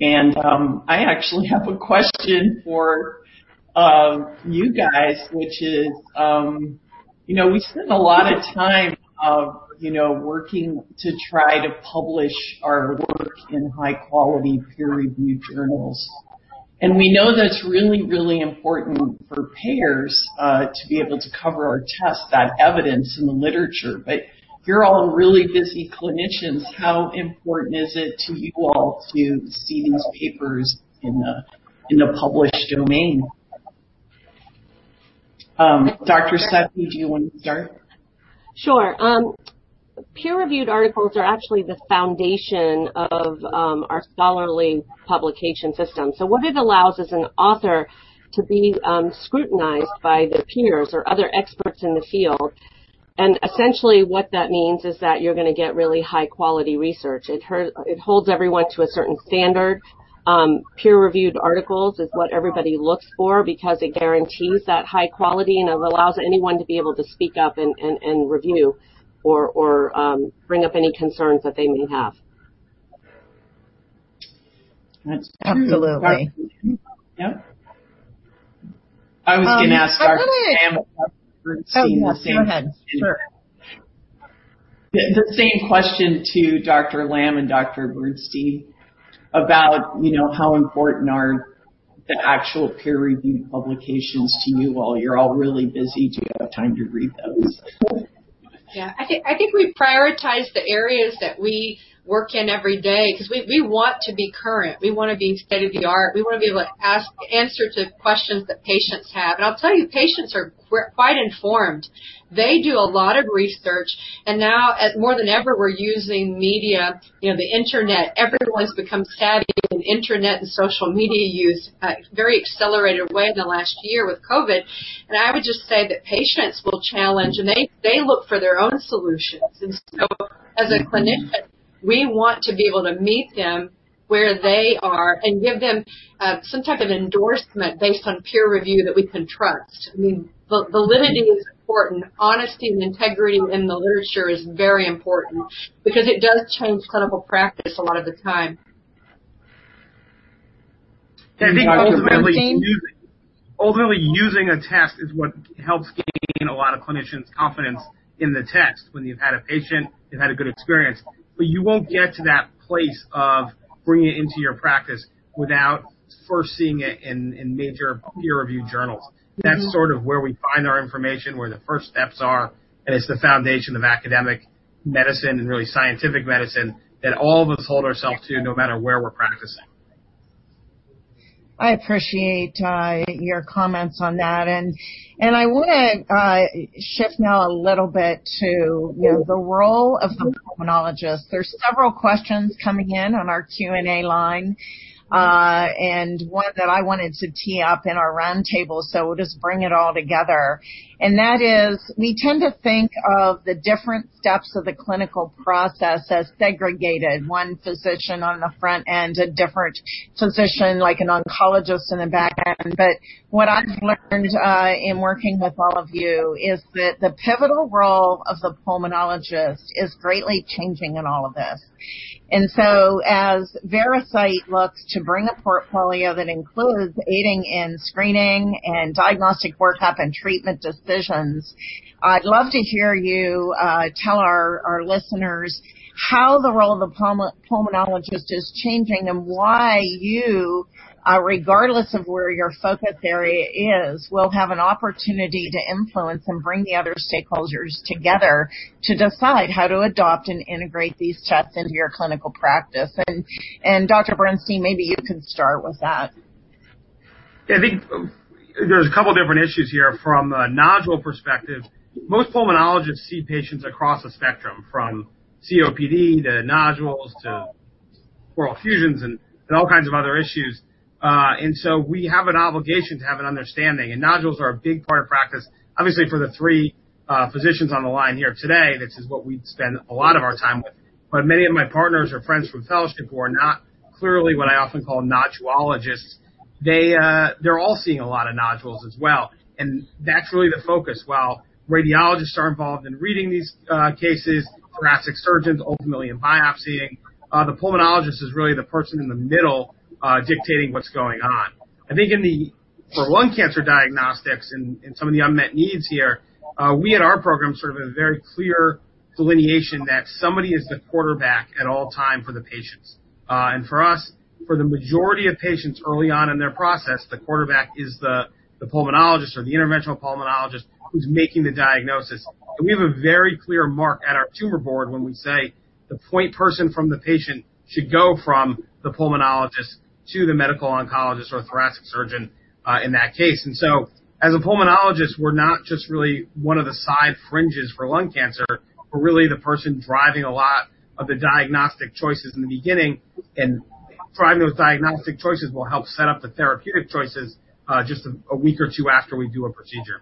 I actually have a question for you guys, which is, we spend a lot of time working to try to publish our work in high-quality peer-reviewed journals. We know that it's really, really important for payers to be able to cover our tests, that evidence in the literature. You're all really busy clinicians, how important is it to you all to see these papers in the published domain? Dr. Sethi, do you want to start? Sure. Peer-reviewed articles are actually the foundation of our scholarly publication system. What it allows is an author to be scrutinized by their peers or other experts in the field. Essentially what that means is that you're going to get really high-quality research. It holds everyone to a certain standard. Peer-reviewed articles is what everybody looks for because it guarantees that high quality, and it allows anyone to be able to speak up and review or bring up any concerns that they may have. That's true. Yeah. I was going to ask Dr. Lamb. Oh, yeah. Go ahead, sure. The same question to Dr. Lamb and Dr. Bernstein about how important are the actual peer-reviewed publications to you all. You're all really busy. Do you have time to read those? Yeah. I think we prioritize the areas that we work in every day because we want to be current. We want to be state-of-the-art. We want to be able to answer to questions that patients have. I'll tell you, patients are quite informed. They do a lot of research, and now more than ever, we're using media, the internet. Everyone's become savvy in internet and social media use at very accelerated way in the last year with COVID. I would just say that patients will challenge, and they look for their own solutions. As a clinician, we want to be able to meet them where they are and give them some type of endorsement based on peer review that we can trust. I mean, validity is important. Honesty and integrity in the literature is very important because it does change clinical practice a lot of the time. Dr. Bernstein. Using a test is what helps gain a lot of clinicians' confidence in the test, when you've had a patient, you've had a good experience. You won't get to that place of bringing it into your practice without first seeing it in major peer-reviewed journals. That's sort of where we find our information, where the first steps are, and it's the foundation of academic medicine and really scientific medicine that all of us hold ourselves to, no matter where we're practicing. I appreciate your comments on that. I want to shift now a little bit to the role of the pulmonologist. There's several questions coming in on our Q&A line, and one that I wanted to tee up in our round table, so we'll just bring it all together. That is, we tend to think of the different steps of the clinical process as segregated. One physician on the front end, a different physician, like an oncologist on the back end. What I've learned in working with all of you is that the pivotal role of the pulmonologist is greatly changing in all of this. As Veracyte looks to bring a portfolio that includes aiding in screening and diagnostic workup and treatment decisions, I'd love to hear you tell our listeners how the role of the pulmonologist is changing and why you, regardless of where your focus area is, will have an opportunity to influence and bring the other stakeholders together to decide how to adopt and integrate these tests into your clinical practice. Dr. Bernstein, maybe you can start with that. I think there's a couple different issues here from a nodule perspective. Most pulmonologists see patients across a spectrum from COPD to nodules to pleural effusions and all kinds of other issues. We have an obligation to have an understanding, and nodules are a big part of practice. Obviously, for the three physicians on the line here today, this is what we spend a lot of our time with. Many of my partners or friends from fellowship who are not clearly what I often call nodulologists, they're all seeing a lot of nodules as well, and that's really the focus. While radiologists are involved in reading these cases, thoracic surgeons ultimately in biopsying, the pulmonologist is really the person in the middle dictating what's going on. I think for lung cancer diagnostics and some of the unmet needs here, we at our program sort of have a very clear delineation that somebody is the quarterback at all time for the patients. For us, for the majority of patients early on in their process, the quarterback is the pulmonologist or the interventional pulmonologist who's making the diagnosis. We have a very clear mark at our tumor board when we say the point person from the patient should go from the pulmonologist to the medical oncologist or thoracic surgeon, in that case. As a pulmonologist, we're not just really one of the side fringes for lung cancer. We're really the person driving a lot of the diagnostic choices in the beginning, and driving those diagnostic choices will help set up the therapeutic choices just a week or two after we do a procedure.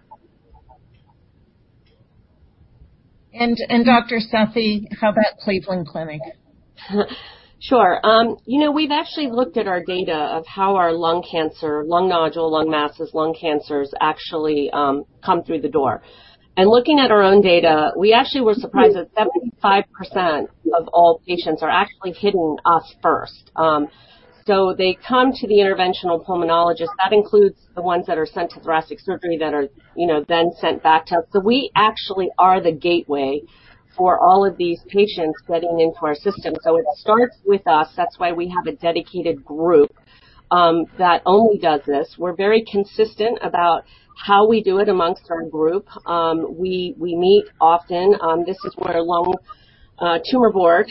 Dr. Sethi, how about Cleveland Clinic? Sure. We've actually looked at our data of how our lung cancer, lung nodule, lung masses, lung cancers actually come through the door. Looking at our own data, we actually were surprised that 75% of all patients are actually hitting us first. They come to the interventional pulmonologist. That includes the ones that are sent to thoracic surgery that are then sent back to us. We actually are the gateway for all of these patients getting into our system. It starts with us. That's why we have a dedicated group that only does this. We're very consistent about how we do it amongst our group. We meet often. This is where lung tumor board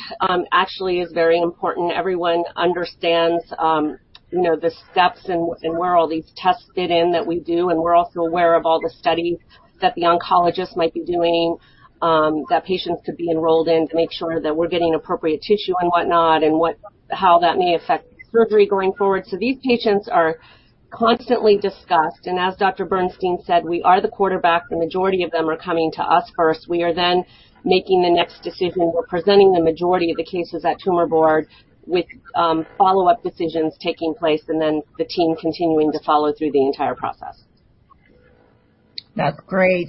actually is very important. Everyone understands the steps and where all these tests fit in that we do, and we're also aware of all the studies that the oncologist might be doing, that patients could be enrolled in to make sure that we're getting appropriate tissue and whatnot, and how that may affect surgery going forward. These patients are constantly discussed, and as Dr. Bernstein said, we are the quarterback. The majority of them are coming to us first. We are then making the next decision. We're presenting the majority of the cases at tumor board with follow-up decisions taking place, and then the team continuing to follow through the entire process. That's great.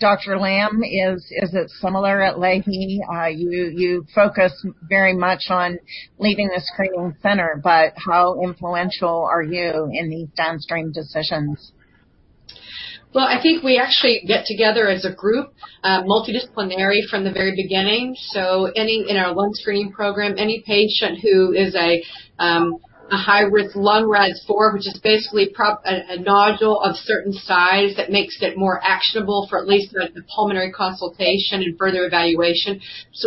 Dr. Lamb, is it similar at Lahey? You focus very much on leading the screening center, but how influential are you in these downstream decisions? Well, I think we actually get together as a group, multidisciplinary from the very beginning. In our lung screening program, any patient who is a high-risk Lung-RADS 4, which is basically a nodule of certain size that makes it more actionable for at least a pulmonary consultation and further evaluation.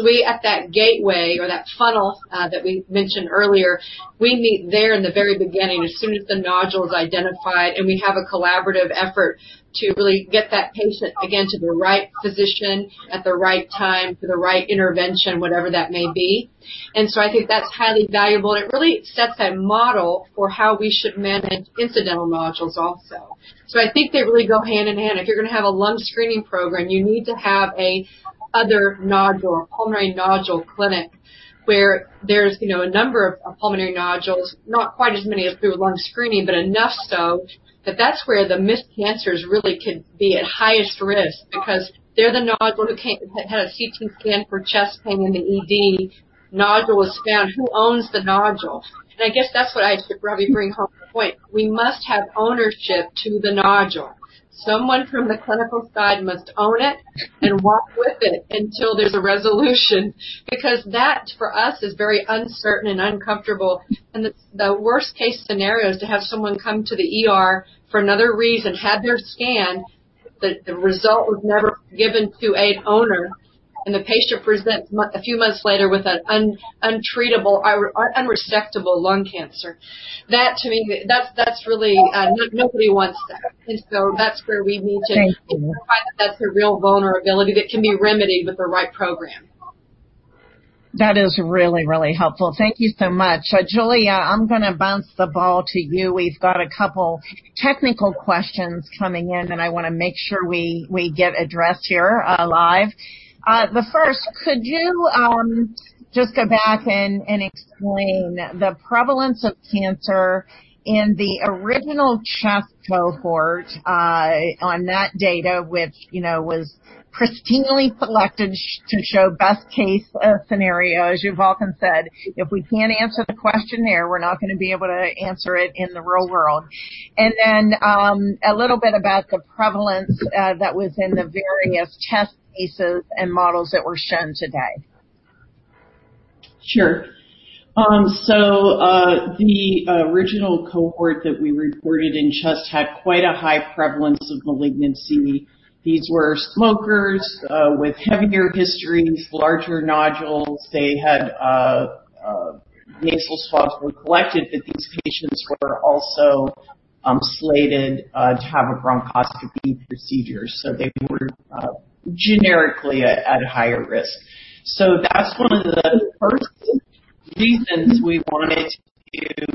We at that gateway or that funnel that we mentioned earlier, we meet there in the very beginning, as soon as the nodule is identified, and we have a collaborative effort to really get that patient, again, to the right physician at the right time for the right intervention, whatever that may be. I think that's highly valuable, and it really sets that model for how we should manage incidental nodules also. I think they really go hand-in-hand. If you're going to have a lung screening program, you need to have a pulmonary nodule clinic where there's a number of pulmonary nodules, not quite as many as through lung screening, but enough so that that's where the missed cancers really could be at highest risk because they're the nodule that had a CT scan for chest pain in the ED, nodule was found. Who owns the nodule? I guess that's what I should probably bring home the point. We must have ownership to the nodule. Someone from the clinical side must own it and work with it until there's a resolution, because that, for us, is very uncertain and uncomfortable. The worst-case scenario is to have someone come to the ER for another reason, have their scan, the result was never given to an owner, and the patient presents a few months later with an untreatable, unresectable lung cancer. Nobody wants that. Thank you. Identify that that's a real vulnerability that can be remedied with the right program. That is really, really helpful. Thank you so much. Giulia, I'm going to bounce the ball to you. We've got a couple technical questions coming in that I want to make sure we get addressed here live. The first, could you just go back and explain the prevalence of cancer in the original CHEST cohort on that data which was pristinely selected to show best-case scenario. As you've often said, if we can't answer the question there, we're not going to be able to answer it in the real world. Then, a little bit about the prevalence that was in the various CHEST cases and models that were shown today. Sure. The original cohort that we reported in CHEST had quite a high prevalence of malignancy. These were smokers with heavier histories, larger nodules. They had nasal swabs were collected, but these patients were also slated to have a bronchoscopy procedure. They were generically at a higher risk. That's one of the first reasons we wanted to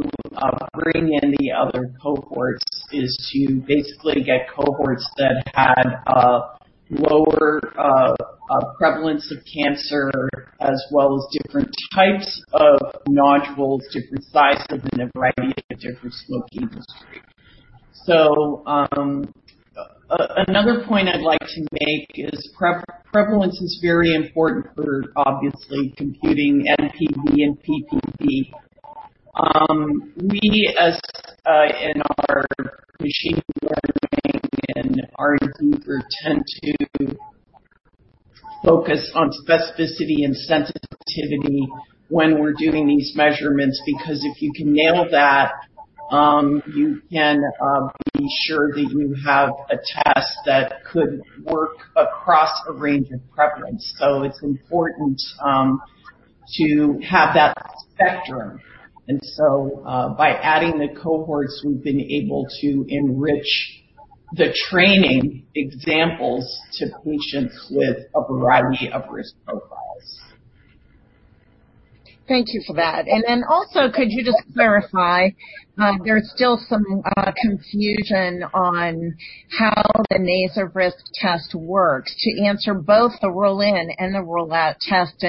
bring in the other cohorts, is to basically get cohorts that had a lower prevalence of cancer as well as different types of nodules, different sizes, and a variety of different smoking history. Another point I'd like to make is prevalence is very important for obviously computing NPV and PPV. We, in our machine learning and R&D group, tend to focus on specificity and sensitivity when we're doing these measurements, because if you can nail that, you can be sure that you have a test that could work across a range of prevalence. It's important to have that spectrum. By adding the cohorts, we've been able to enrich the training examples to patients with a variety of risk profiles. Thank you for that. Could you just clarify, there's still some confusion on how the Percepta test works to answer both the rule in and the rule out test.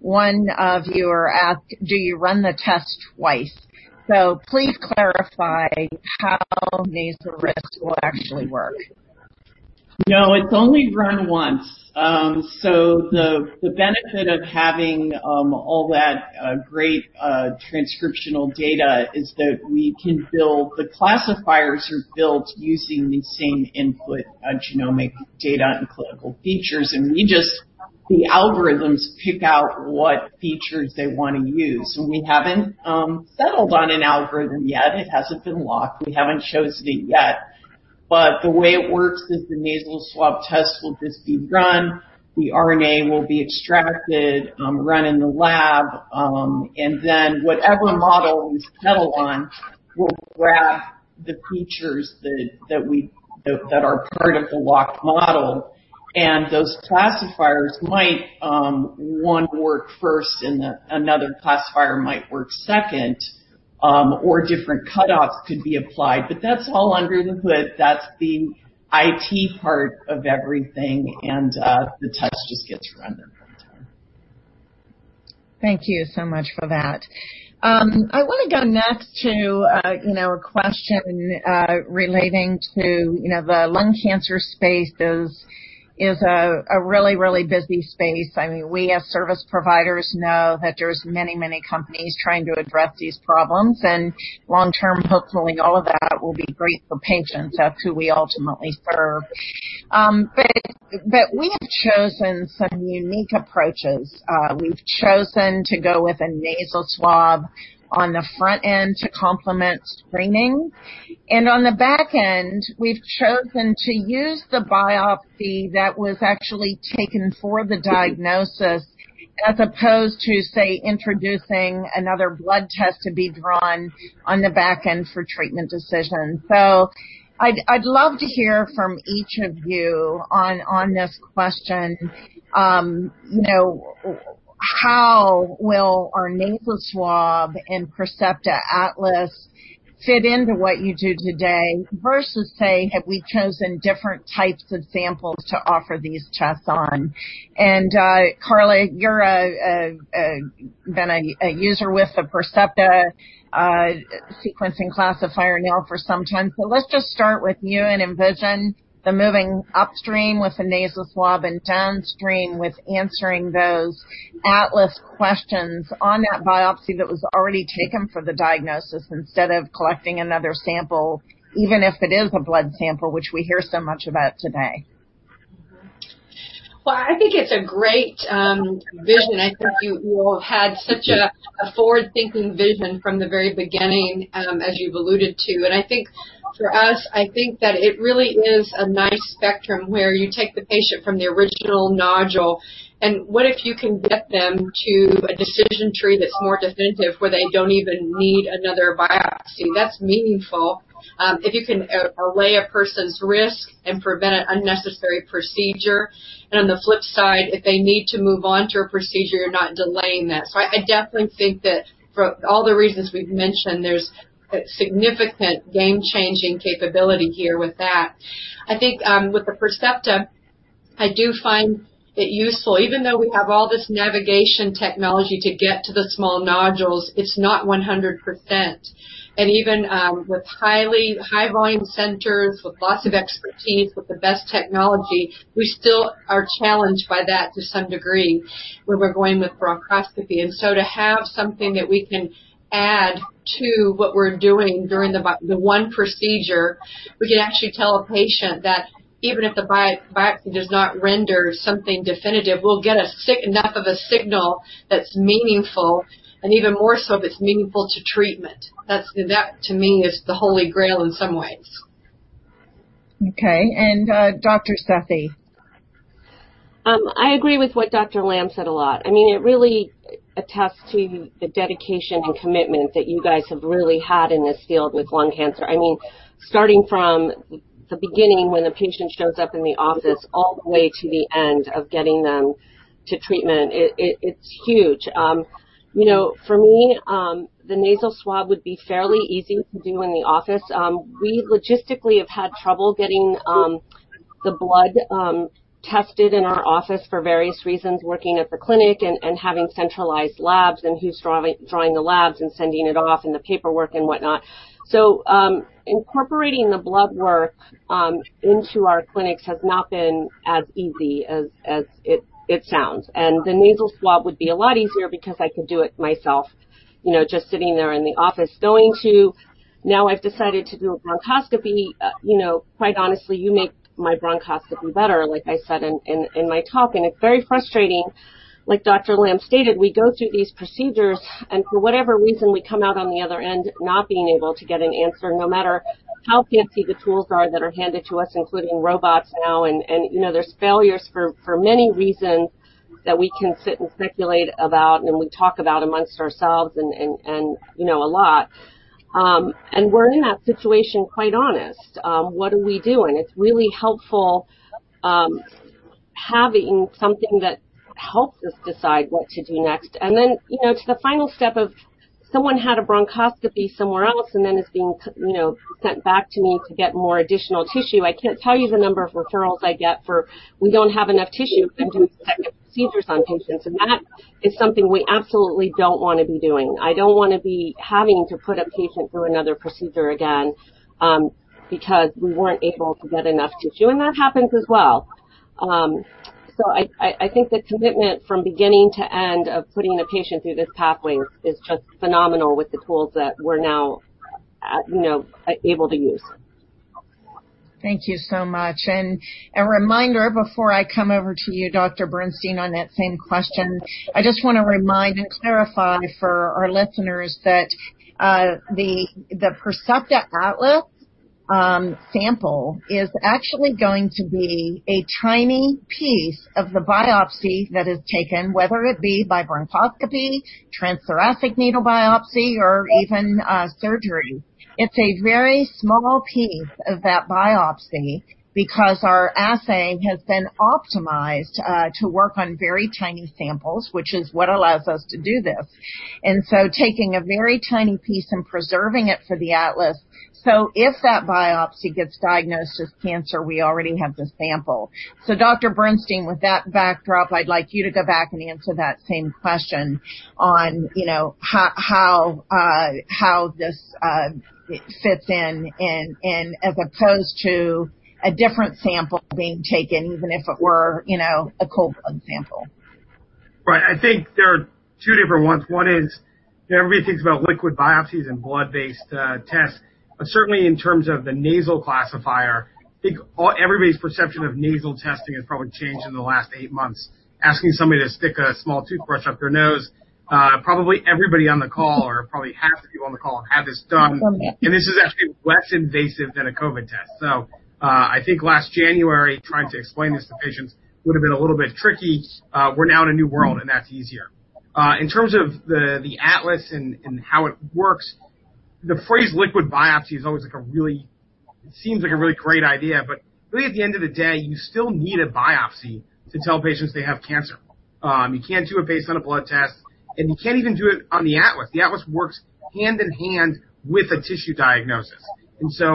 One viewer asked, "Do you run the test twice?" Please clarify how Percepta will actually work. It's only run once. The benefit of having all that great transcriptional data is that the classifiers are built using the same input of genomic data and clinical features, the algorithms pick out what features they want to use. We haven't settled on an algorithm yet. It hasn't been locked. We haven't chosen it yet. The way it works is the nasal swab test will just be run, the RNA will be extracted, run in the lab, whatever model we settle on will grab the features that are part of the locked model. Those classifiers might one work first and another classifier might work second, or different cutoffs could be applied. That's all under the hood. That's the IT part of everything, the test just gets run one time. Thank you so much for that. I want to go next to a question relating to the lung cancer space is a really busy space. We as service providers know that there's many companies trying to address these problems, and long term, hopefully all of that will be great for patients. That's who we ultimately serve. We have chosen some unique approaches. We've chosen to go with a nasal swab on the front end to complement screening. On the back end, we've chosen to use the biopsy that was actually taken for the diagnosis, as opposed to, say, introducing another blood test to be drawn on the back end for treatment decisions. I'd love to hear from each of you on this question. How will our nasal swab and Percepta Atlas fit into what you do today versus, say, had we chosen different types of samples to offer these tests on? Carla, you've been a user with the Percepta sequencing classifier now for some time. Let's just start with you and envision the moving upstream with the nasal swab and downstream with answering those Atlas questions on that biopsy that was already taken for the diagnosis instead of collecting another sample, even if it is a blood sample, which we hear so much about today. Well, I think it's a great vision. I think you all had such a forward-thinking vision from the very beginning, as you've alluded to. I think for us, I think that it really is a nice spectrum where you take the patient from the original nodule, what if you can get them to a decision tree that's more definitive where they don't even need another biopsy? That's meaningful. If you can allay a person's risk and prevent an unnecessary procedure, and on the flip side, if they need to move on to a procedure, you're not delaying that. I definitely think that for all the reasons we've mentioned, there's a significant game-changing capability here with that. I think with the Percepta, I do find it useful. Even though we have all this navigation technology to get to the small nodules, it's not 100%. Even with high volume centers with lots of expertise, with the best technology, we still are challenged by that to some degree when we're going with bronchoscopy. To have something that we can add to what we're doing during the one procedure, we can actually tell a patient that even if the biopsy does not render something definitive, we'll get enough of a signal that's meaningful, and even more so if it's meaningful to treatment. That to me is the holy grail in some ways. Okay. Dr. Sethi. I agree with what Dr. Lamb said a lot. It really attests to the dedication and commitment that you guys have really had in this field with lung cancer. Starting from the beginning when the patient shows up in the office all the way to the end of getting them to treatment, it's huge. For me, the nasal swab would be fairly easy to do in the office. We logistically have had trouble getting the blood tested in our office for various reasons, working at the clinic and having centralized labs, and who's drawing the labs and sending it off and the paperwork and whatnot. Incorporating the blood work into our clinics has not been as easy as it sounds. The nasal swab would be a lot easier because I could do it myself, just sitting there in the office. Now I've decided to do a bronchoscopy. Quite honestly, you make my bronchoscopy better, like I said in my talk, and it's very frustrating. Dr. Lamb stated, we go through these procedures. For whatever reason, we come out on the other end not being able to get an answer. No matter how fancy the tools are that are handed to us, including robots now. There's failures for many reasons that we can sit and speculate about, and we talk about amongst ourselves and a lot. We're in that situation, quite honest. What are we doing? It's really helpful having something that helps us decide what to do next. To the final step of someone had a bronchoscopy somewhere else. Then is being sent back to me to get more additional tissue. I can't tell you the number of referrals I get for we don't have enough tissue to do second procedures on patients. That is something we absolutely don't want to be doing. I don't want to be having to put a patient through another procedure again, because we weren't able to get enough tissue. That happens as well. I think the commitment from beginning to end of putting a patient through this pathway is just phenomenal with the tools that we're now able to use. Thank you so much. A reminder before I come over to you, Dr. Bernstein, on that same question. I just want to remind and clarify for our listeners that the Percepta Atlas sample is actually going to be a tiny piece of the biopsy that is taken, whether it be by bronchoscopy, transthoracic needle biopsy, or even surgery. It's a very small piece of that biopsy because our assay has been optimized to work on very tiny samples, which is what allows us to do this. Taking a very tiny piece and preserving it for the Atlas, so if that biopsy gets diagnosed as cancer, we already have the sample. Dr. Bernstein, with that backdrop, I'd like you to go back and answer that same question on how this fits in, as opposed to a different sample being taken, even if it were a cold blood sample. Right. I think there are two different ones. One is everybody thinks about liquid biopsies and blood-based tests. Certainly, in terms of the nasal classifier, I think everybody's perception of nasal testing has probably changed in the last eight months. Asking somebody to stick a small toothbrush up their nose, probably everybody on the call or probably half of you on the call have this done. Yeah. This is actually less invasive than a COVID test. I think last January, trying to explain this to patients would've been a little bit tricky. We're now in a new world, and that's easier. In terms of the Atlas and how it works, the phrase liquid biopsy is always like a really great idea, but really at the end of the day, you still need a biopsy to tell patients they have cancer. You can't do it based on a blood test, and you can't even do it on the Atlas. The Atlas works hand in hand with a tissue diagnosis.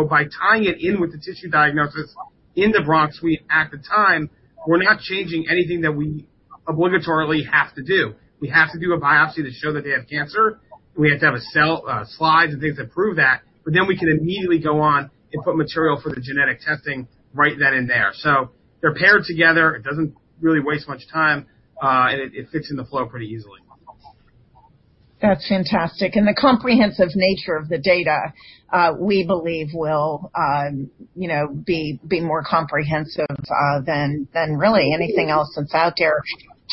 By tying it in with the tissue diagnosis in the bronchs, we, at the time, were not changing anything that we obligatorily have to do. We have to do a biopsy to show that they have cancer. We have to have a cell, slides and things that prove that. We can immediately go on and put material for the genetic testing right then and there. They're paired together. It doesn't really waste much time. It fits in the flow pretty easily. That's fantastic. The comprehensive nature of the data, we believe, will be more comprehensive than really anything else that's out there.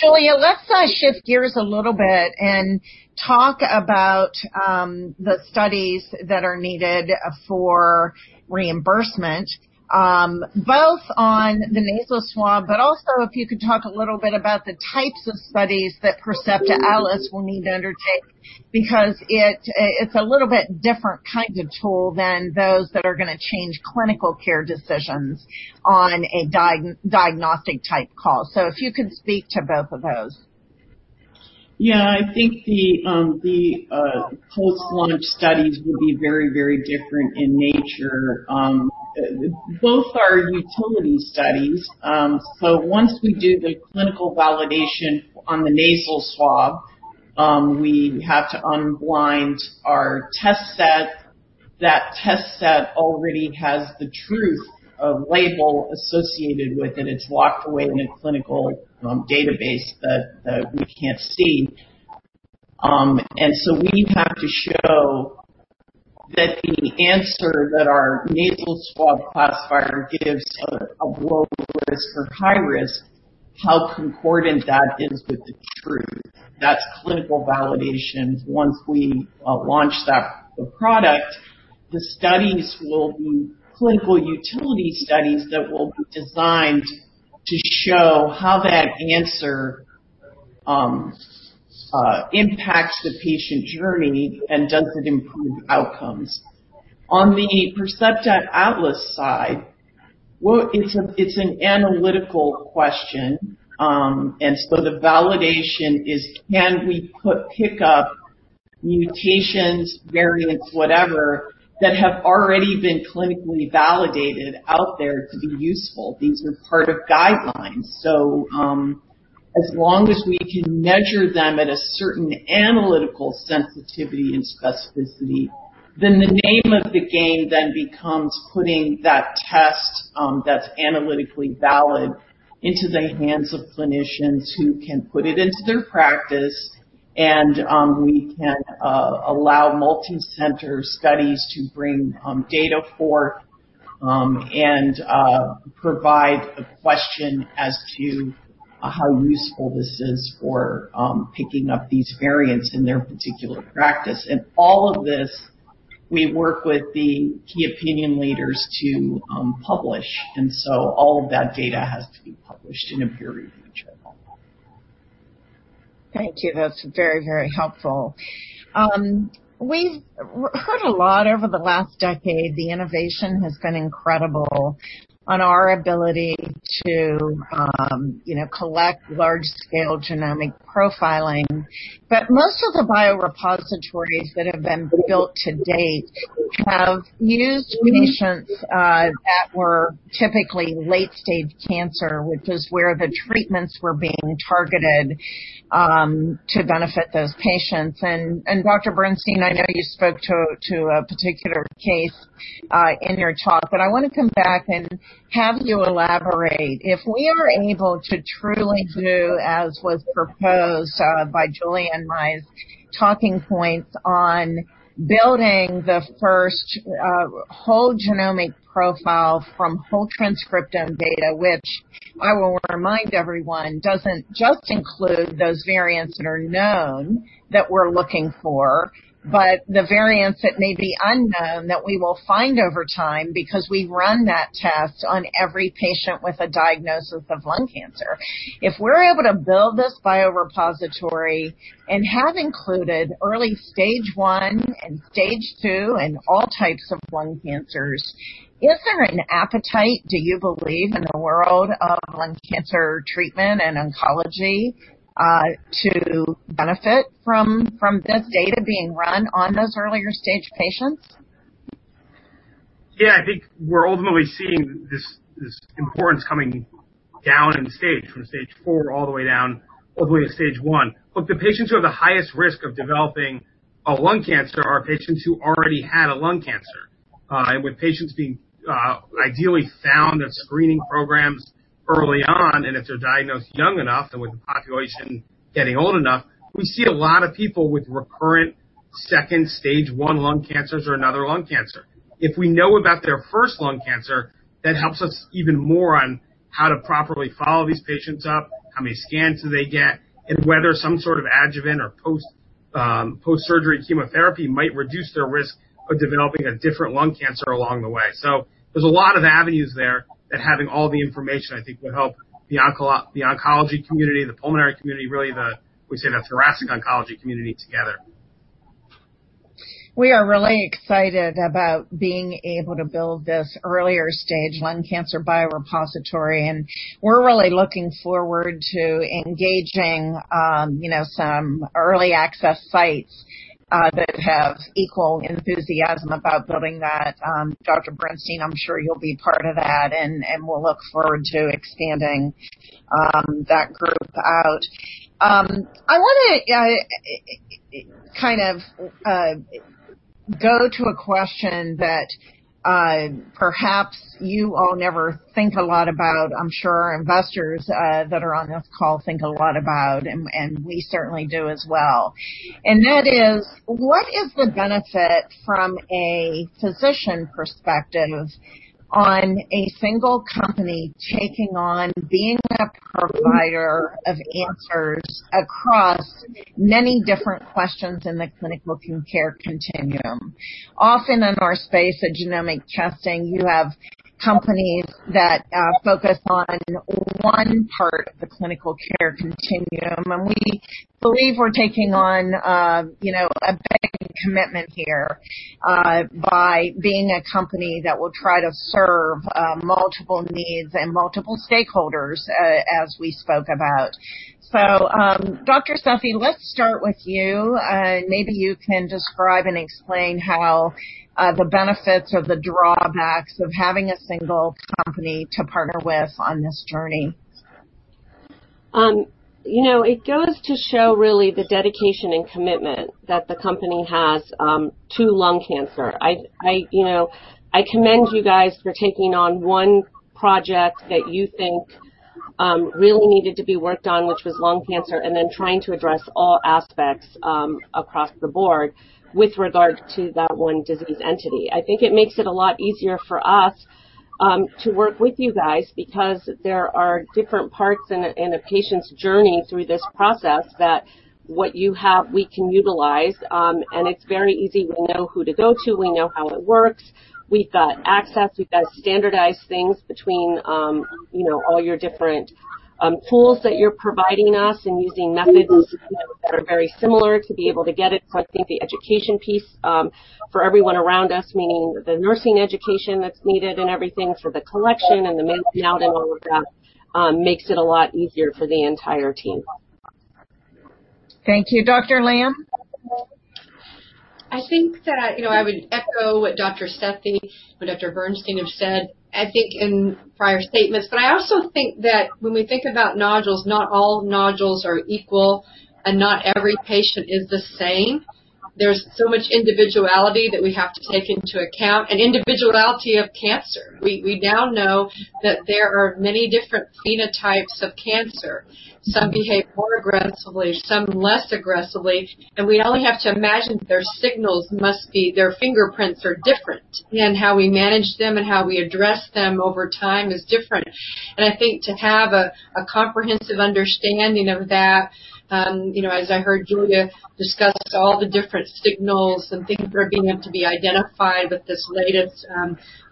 Giulia, let's shift gears a little bit and talk about the studies that are needed for reimbursement, both on the nasal swab, but also if you could talk a little bit about the types of studies that Percepta Atlas will need to undertake, because it's a little bit different kind of tool than those that are going to change clinical care decisions on a diagnostic type call. If you could speak to both of those. Yeah. I think the post launch studies will be very different in nature. Both are utility studies. Once we do the clinical validation on the nasal swab, we have to unblind our test set. That test set already has the truth of label associated with it. It's locked away in a clinical database that we can't see. We have to show that the answer that our nasal swab classifier gives a low risk or high risk, how concordant that is with the truth. That's clinical validation. Once we launch that product, the studies will be clinical utility studies that will be designed to show how that answer impacts the patient journey and does it improve outcomes. On the Percepta Atlas side, it's an analytical question. The validation is can we pick up mutations, variants, whatever, that have already been clinically validated out there to be useful. These are part of guidelines. As long as we can measure them at a certain analytical sensitivity and specificity, then the name of the game then becomes putting that test that's analytically valid into the hands of clinicians who can put it into their practice. We can allow multicenter studies to bring data forth, and provide a question as to how useful this is for picking up these variants in their particular practice. All of this, we work with the key opinion leaders to publish, and so all of that data has to be published in a peer-reviewed journal. Thank you. That's very, very helpful. We've heard a lot over the last decade. The innovation has been incredible on our ability to collect large-scale genomic profiling. Most of the biorepositories that have been built to date have used patients that were typically late-stage cancer, which is where the treatments were being targeted to benefit those patients. Dr. Bernstein, I know you spoke to a particular case in your talk, but I want to come back and have you elaborate. If we are able to truly do as was proposed by Giulia and my talking points on building the first whole genomic profile from whole transcriptome data, which I will remind everyone doesn't just include those variants that are known that we're looking for, but the variants that may be unknown that we will find over time because we run that test on every patient with a diagnosis of lung cancer. If we're able to build this biorepository and have included early stage I and stage II and all types of lung cancers, is there an appetite, do you believe, in the world of lung cancer treatment and oncology to benefit from this data being run on those earlier-stage patients? Yeah. I think we're ultimately seeing this importance coming down in stage, from stage IV all the way down all the way to stage I. Look, the patients who are the highest risk of developing a lung cancer are patients who already had a lung cancer. With patients being ideally found at screening programs early on, and if they're diagnosed young enough and with the population getting old enough, we see a lot of people with recurrent second stage I lung cancers or another lung cancer. If we know about their first lung cancer, that helps us even more on how to properly follow these patients up, how many scans do they get, and whether some sort of adjuvant or post-surgery chemotherapy might reduce their risk of developing a different lung cancer along the way. There's a lot of avenues there that having all the information, I think, would help the oncology community, the pulmonary community, really the, we say, the thoracic oncology community together. We are really excited about being able to build this earlier stage lung cancer biorepository, and we're really looking forward to engaging some early access sites that have equal enthusiasm about building that. Dr. Bernstein, I'm sure you'll be part of that, and we'll look forward to expanding that group out. I want to go to a question that perhaps you all never think a lot about, I'm sure our investors that are on this call think a lot about, and we certainly do as well. That is, what is the benefit from a physician perspective on a single company taking on being that provider of answers across many different questions in the clinical care continuum? Often in our space of genomic testing, you have companies that focus on one part of the clinical care continuum, and we believe we're taking on a big commitment here by being a company that will try to serve multiple needs and multiple stakeholders as we spoke about. Dr. Sethi, let's start with you. Maybe you can describe and explain how the benefits or the drawbacks of having a single company to partner with on this journey. It goes to show really the dedication and commitment that the company has to lung cancer. I commend you guys for taking on one project that you think really needed to be worked on, which was lung cancer, and then trying to address all aspects across the board with regard to that one disease entity. I think it makes it a lot easier for us to work with you guys because there are different parts in a patient's journey through this process that what you have, we can utilize. It's very easy. We know who to go to. We know how it works. We've got access. We've got standardized things between all your different tools that you're providing us and using methods that are very similar to be able to get it. I think the education piece for everyone around us, meaning the nursing education that's needed and everything for the collection and the mailing out and all of that, makes it a lot easier for the entire team. Thank you. Dr. Lamb? I think that I would echo what Dr. Sethi, what Dr. Bernstein have said, I think in prior statements. I also think that when we think about nodules, not all nodules are equal and not every patient is the same. There's so much individuality that we have to take into account, and individuality of cancer. We now know that there are many different phenotypes of cancer. Some behave more aggressively, some less aggressively, and we only have to imagine that their signals, their fingerprints are different. How we manage them and how we address them over time is different. I think to have a comprehensive understanding of that, as I heard Giulia discuss all the different signals and things that are beginning to be identified with this latest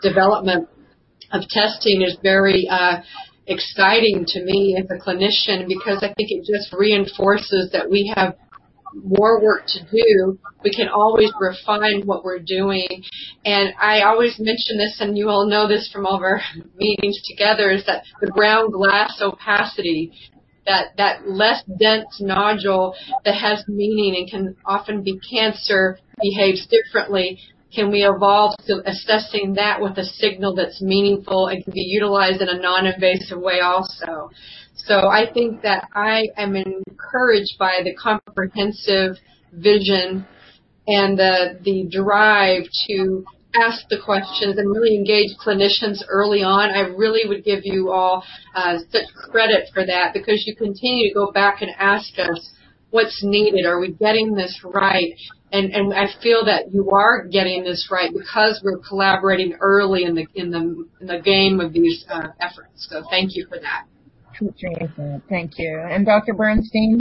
development of testing is very exciting to me as a clinician, because I think it just reinforces that we have more work to do. We can always refine what we're doing. I always mention this, and you all know this from all of our meetings together, is that the ground-glass opacity, that less dense nodule that has meaning and can often be cancer, behaves differently. Can we evolve to assessing that with a signal that's meaningful and can be utilized in a non-invasive way also? I think that I am encouraged by the comprehensive vision and the drive to ask the questions and really engage clinicians early on. I really would give you all such credit for that because you continue to go back and ask us what's needed. Are we getting this right? And I feel that you are getting this right because we're collaborating early in the game of these efforts. Thank you for that. Thank you. Dr. Bernstein?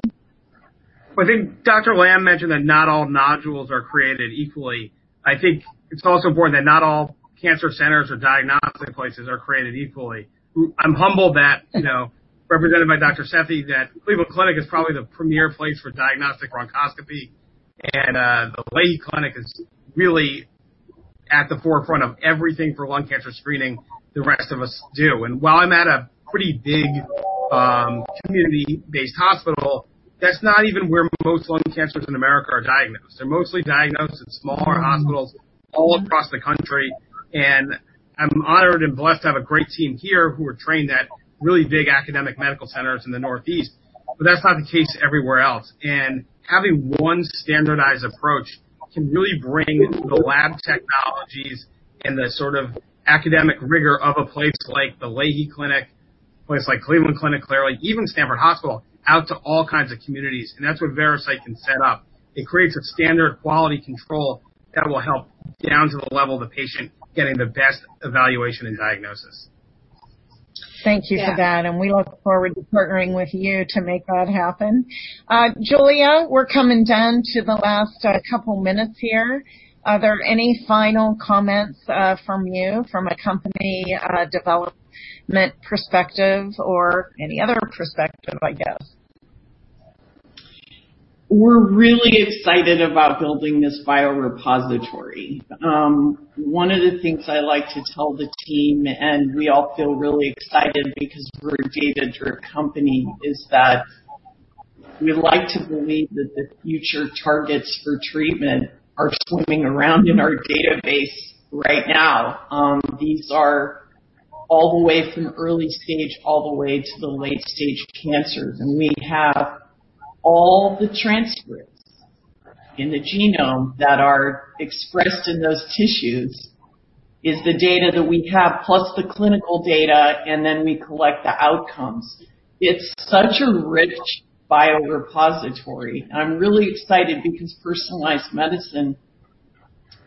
I think Dr. Lamb mentioned that not all nodules are created equally. I think it's also important that not all cancer centers or diagnostic places are created equally. I'm humbled that, represented by Dr. Sethi, that Cleveland Clinic is probably the premier place for diagnostic bronchoscopy, and the Lahey Clinic is really at the forefront of everything for lung cancer screening the rest of us do. While I'm at a pretty big community-based hospital, that's not even where most lung cancers in the U.S. are diagnosed. They're mostly diagnosed at smaller hospitals all across the country. I'm honored and blessed to have a great team here who are trained at really big academic medical centers in the Northeast, but that's not the case everywhere else. Having one standardized approach can really bring the lab technologies and the sort of academic rigor of a place like the Lahey Clinic, places like Cleveland Clinic, clearly, even Stamford Hospital, out to all kinds of communities, and that's what Veracyte can set up. It creates a standard quality control that will help down to the level of the patient getting the best evaluation and diagnosis. Thank you for that. We look forward to partnering with you to make that happen. Giulia, we're coming down to the last couple minutes here. Are there any final comments from you from a company development perspective or any other perspective, I guess? We're really excited about building this biorepository. One of the things I like to tell the team, and we all feel really excited because we're a data-driven company, is that we like to believe that the future targets for treatment are swimming around in our database right now. These are all the way from early stage all the way to the late-stage cancers. We have all the transcripts in the genome that are expressed in those tissues, is the data that we have, plus the clinical data, and then we collect the outcomes. It's such a rich biorepository. I'm really excited because personalized medicine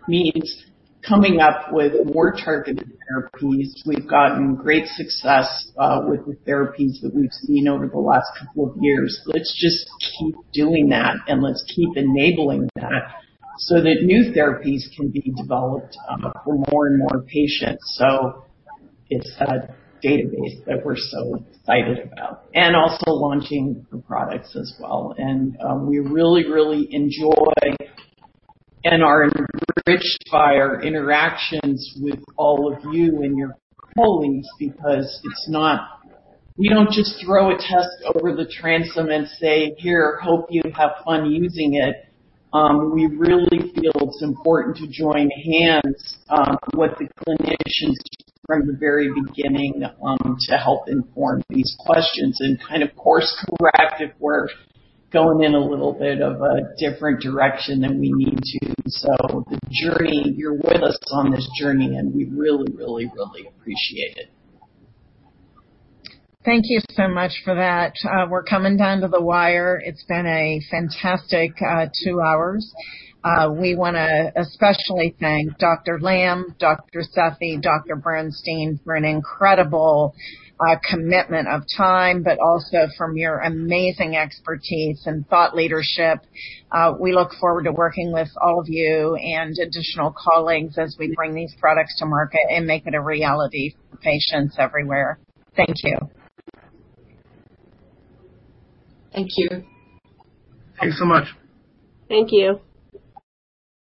means coming up with more targeted therapies. We've gotten great success with the therapies that we've seen over the last couple of years. Let's just keep doing that, and let's keep enabling that so that new therapies can be developed for more and more patients. It's a database that we're so excited about. Also launching the products as well. We really, really enjoy and are enriched by our interactions with all of you and your colleagues because we don't just throw a test over the transom and say, "Here, hope you have fun using it." We really feel it's important to join hands with the clinicians from the very beginning to help inform these questions and kind of course-correct if we're going in a little bit of a different direction than we need to. The journey, you're with us on this journey, and we really, really, really appreciate it. Thank you so much for that. We're coming down to the wire. It's been a fantastic two hours. We want to especially thank Dr. Lamb, Dr. Sethi, Dr. Bernstein for an incredible commitment of time, but also from your amazing expertise and thought leadership. We look forward to working with all of you and additional colleagues as we bring these products to market and make it a reality for patients everywhere. Thank you. Thank you. Thank you so much. Thank you.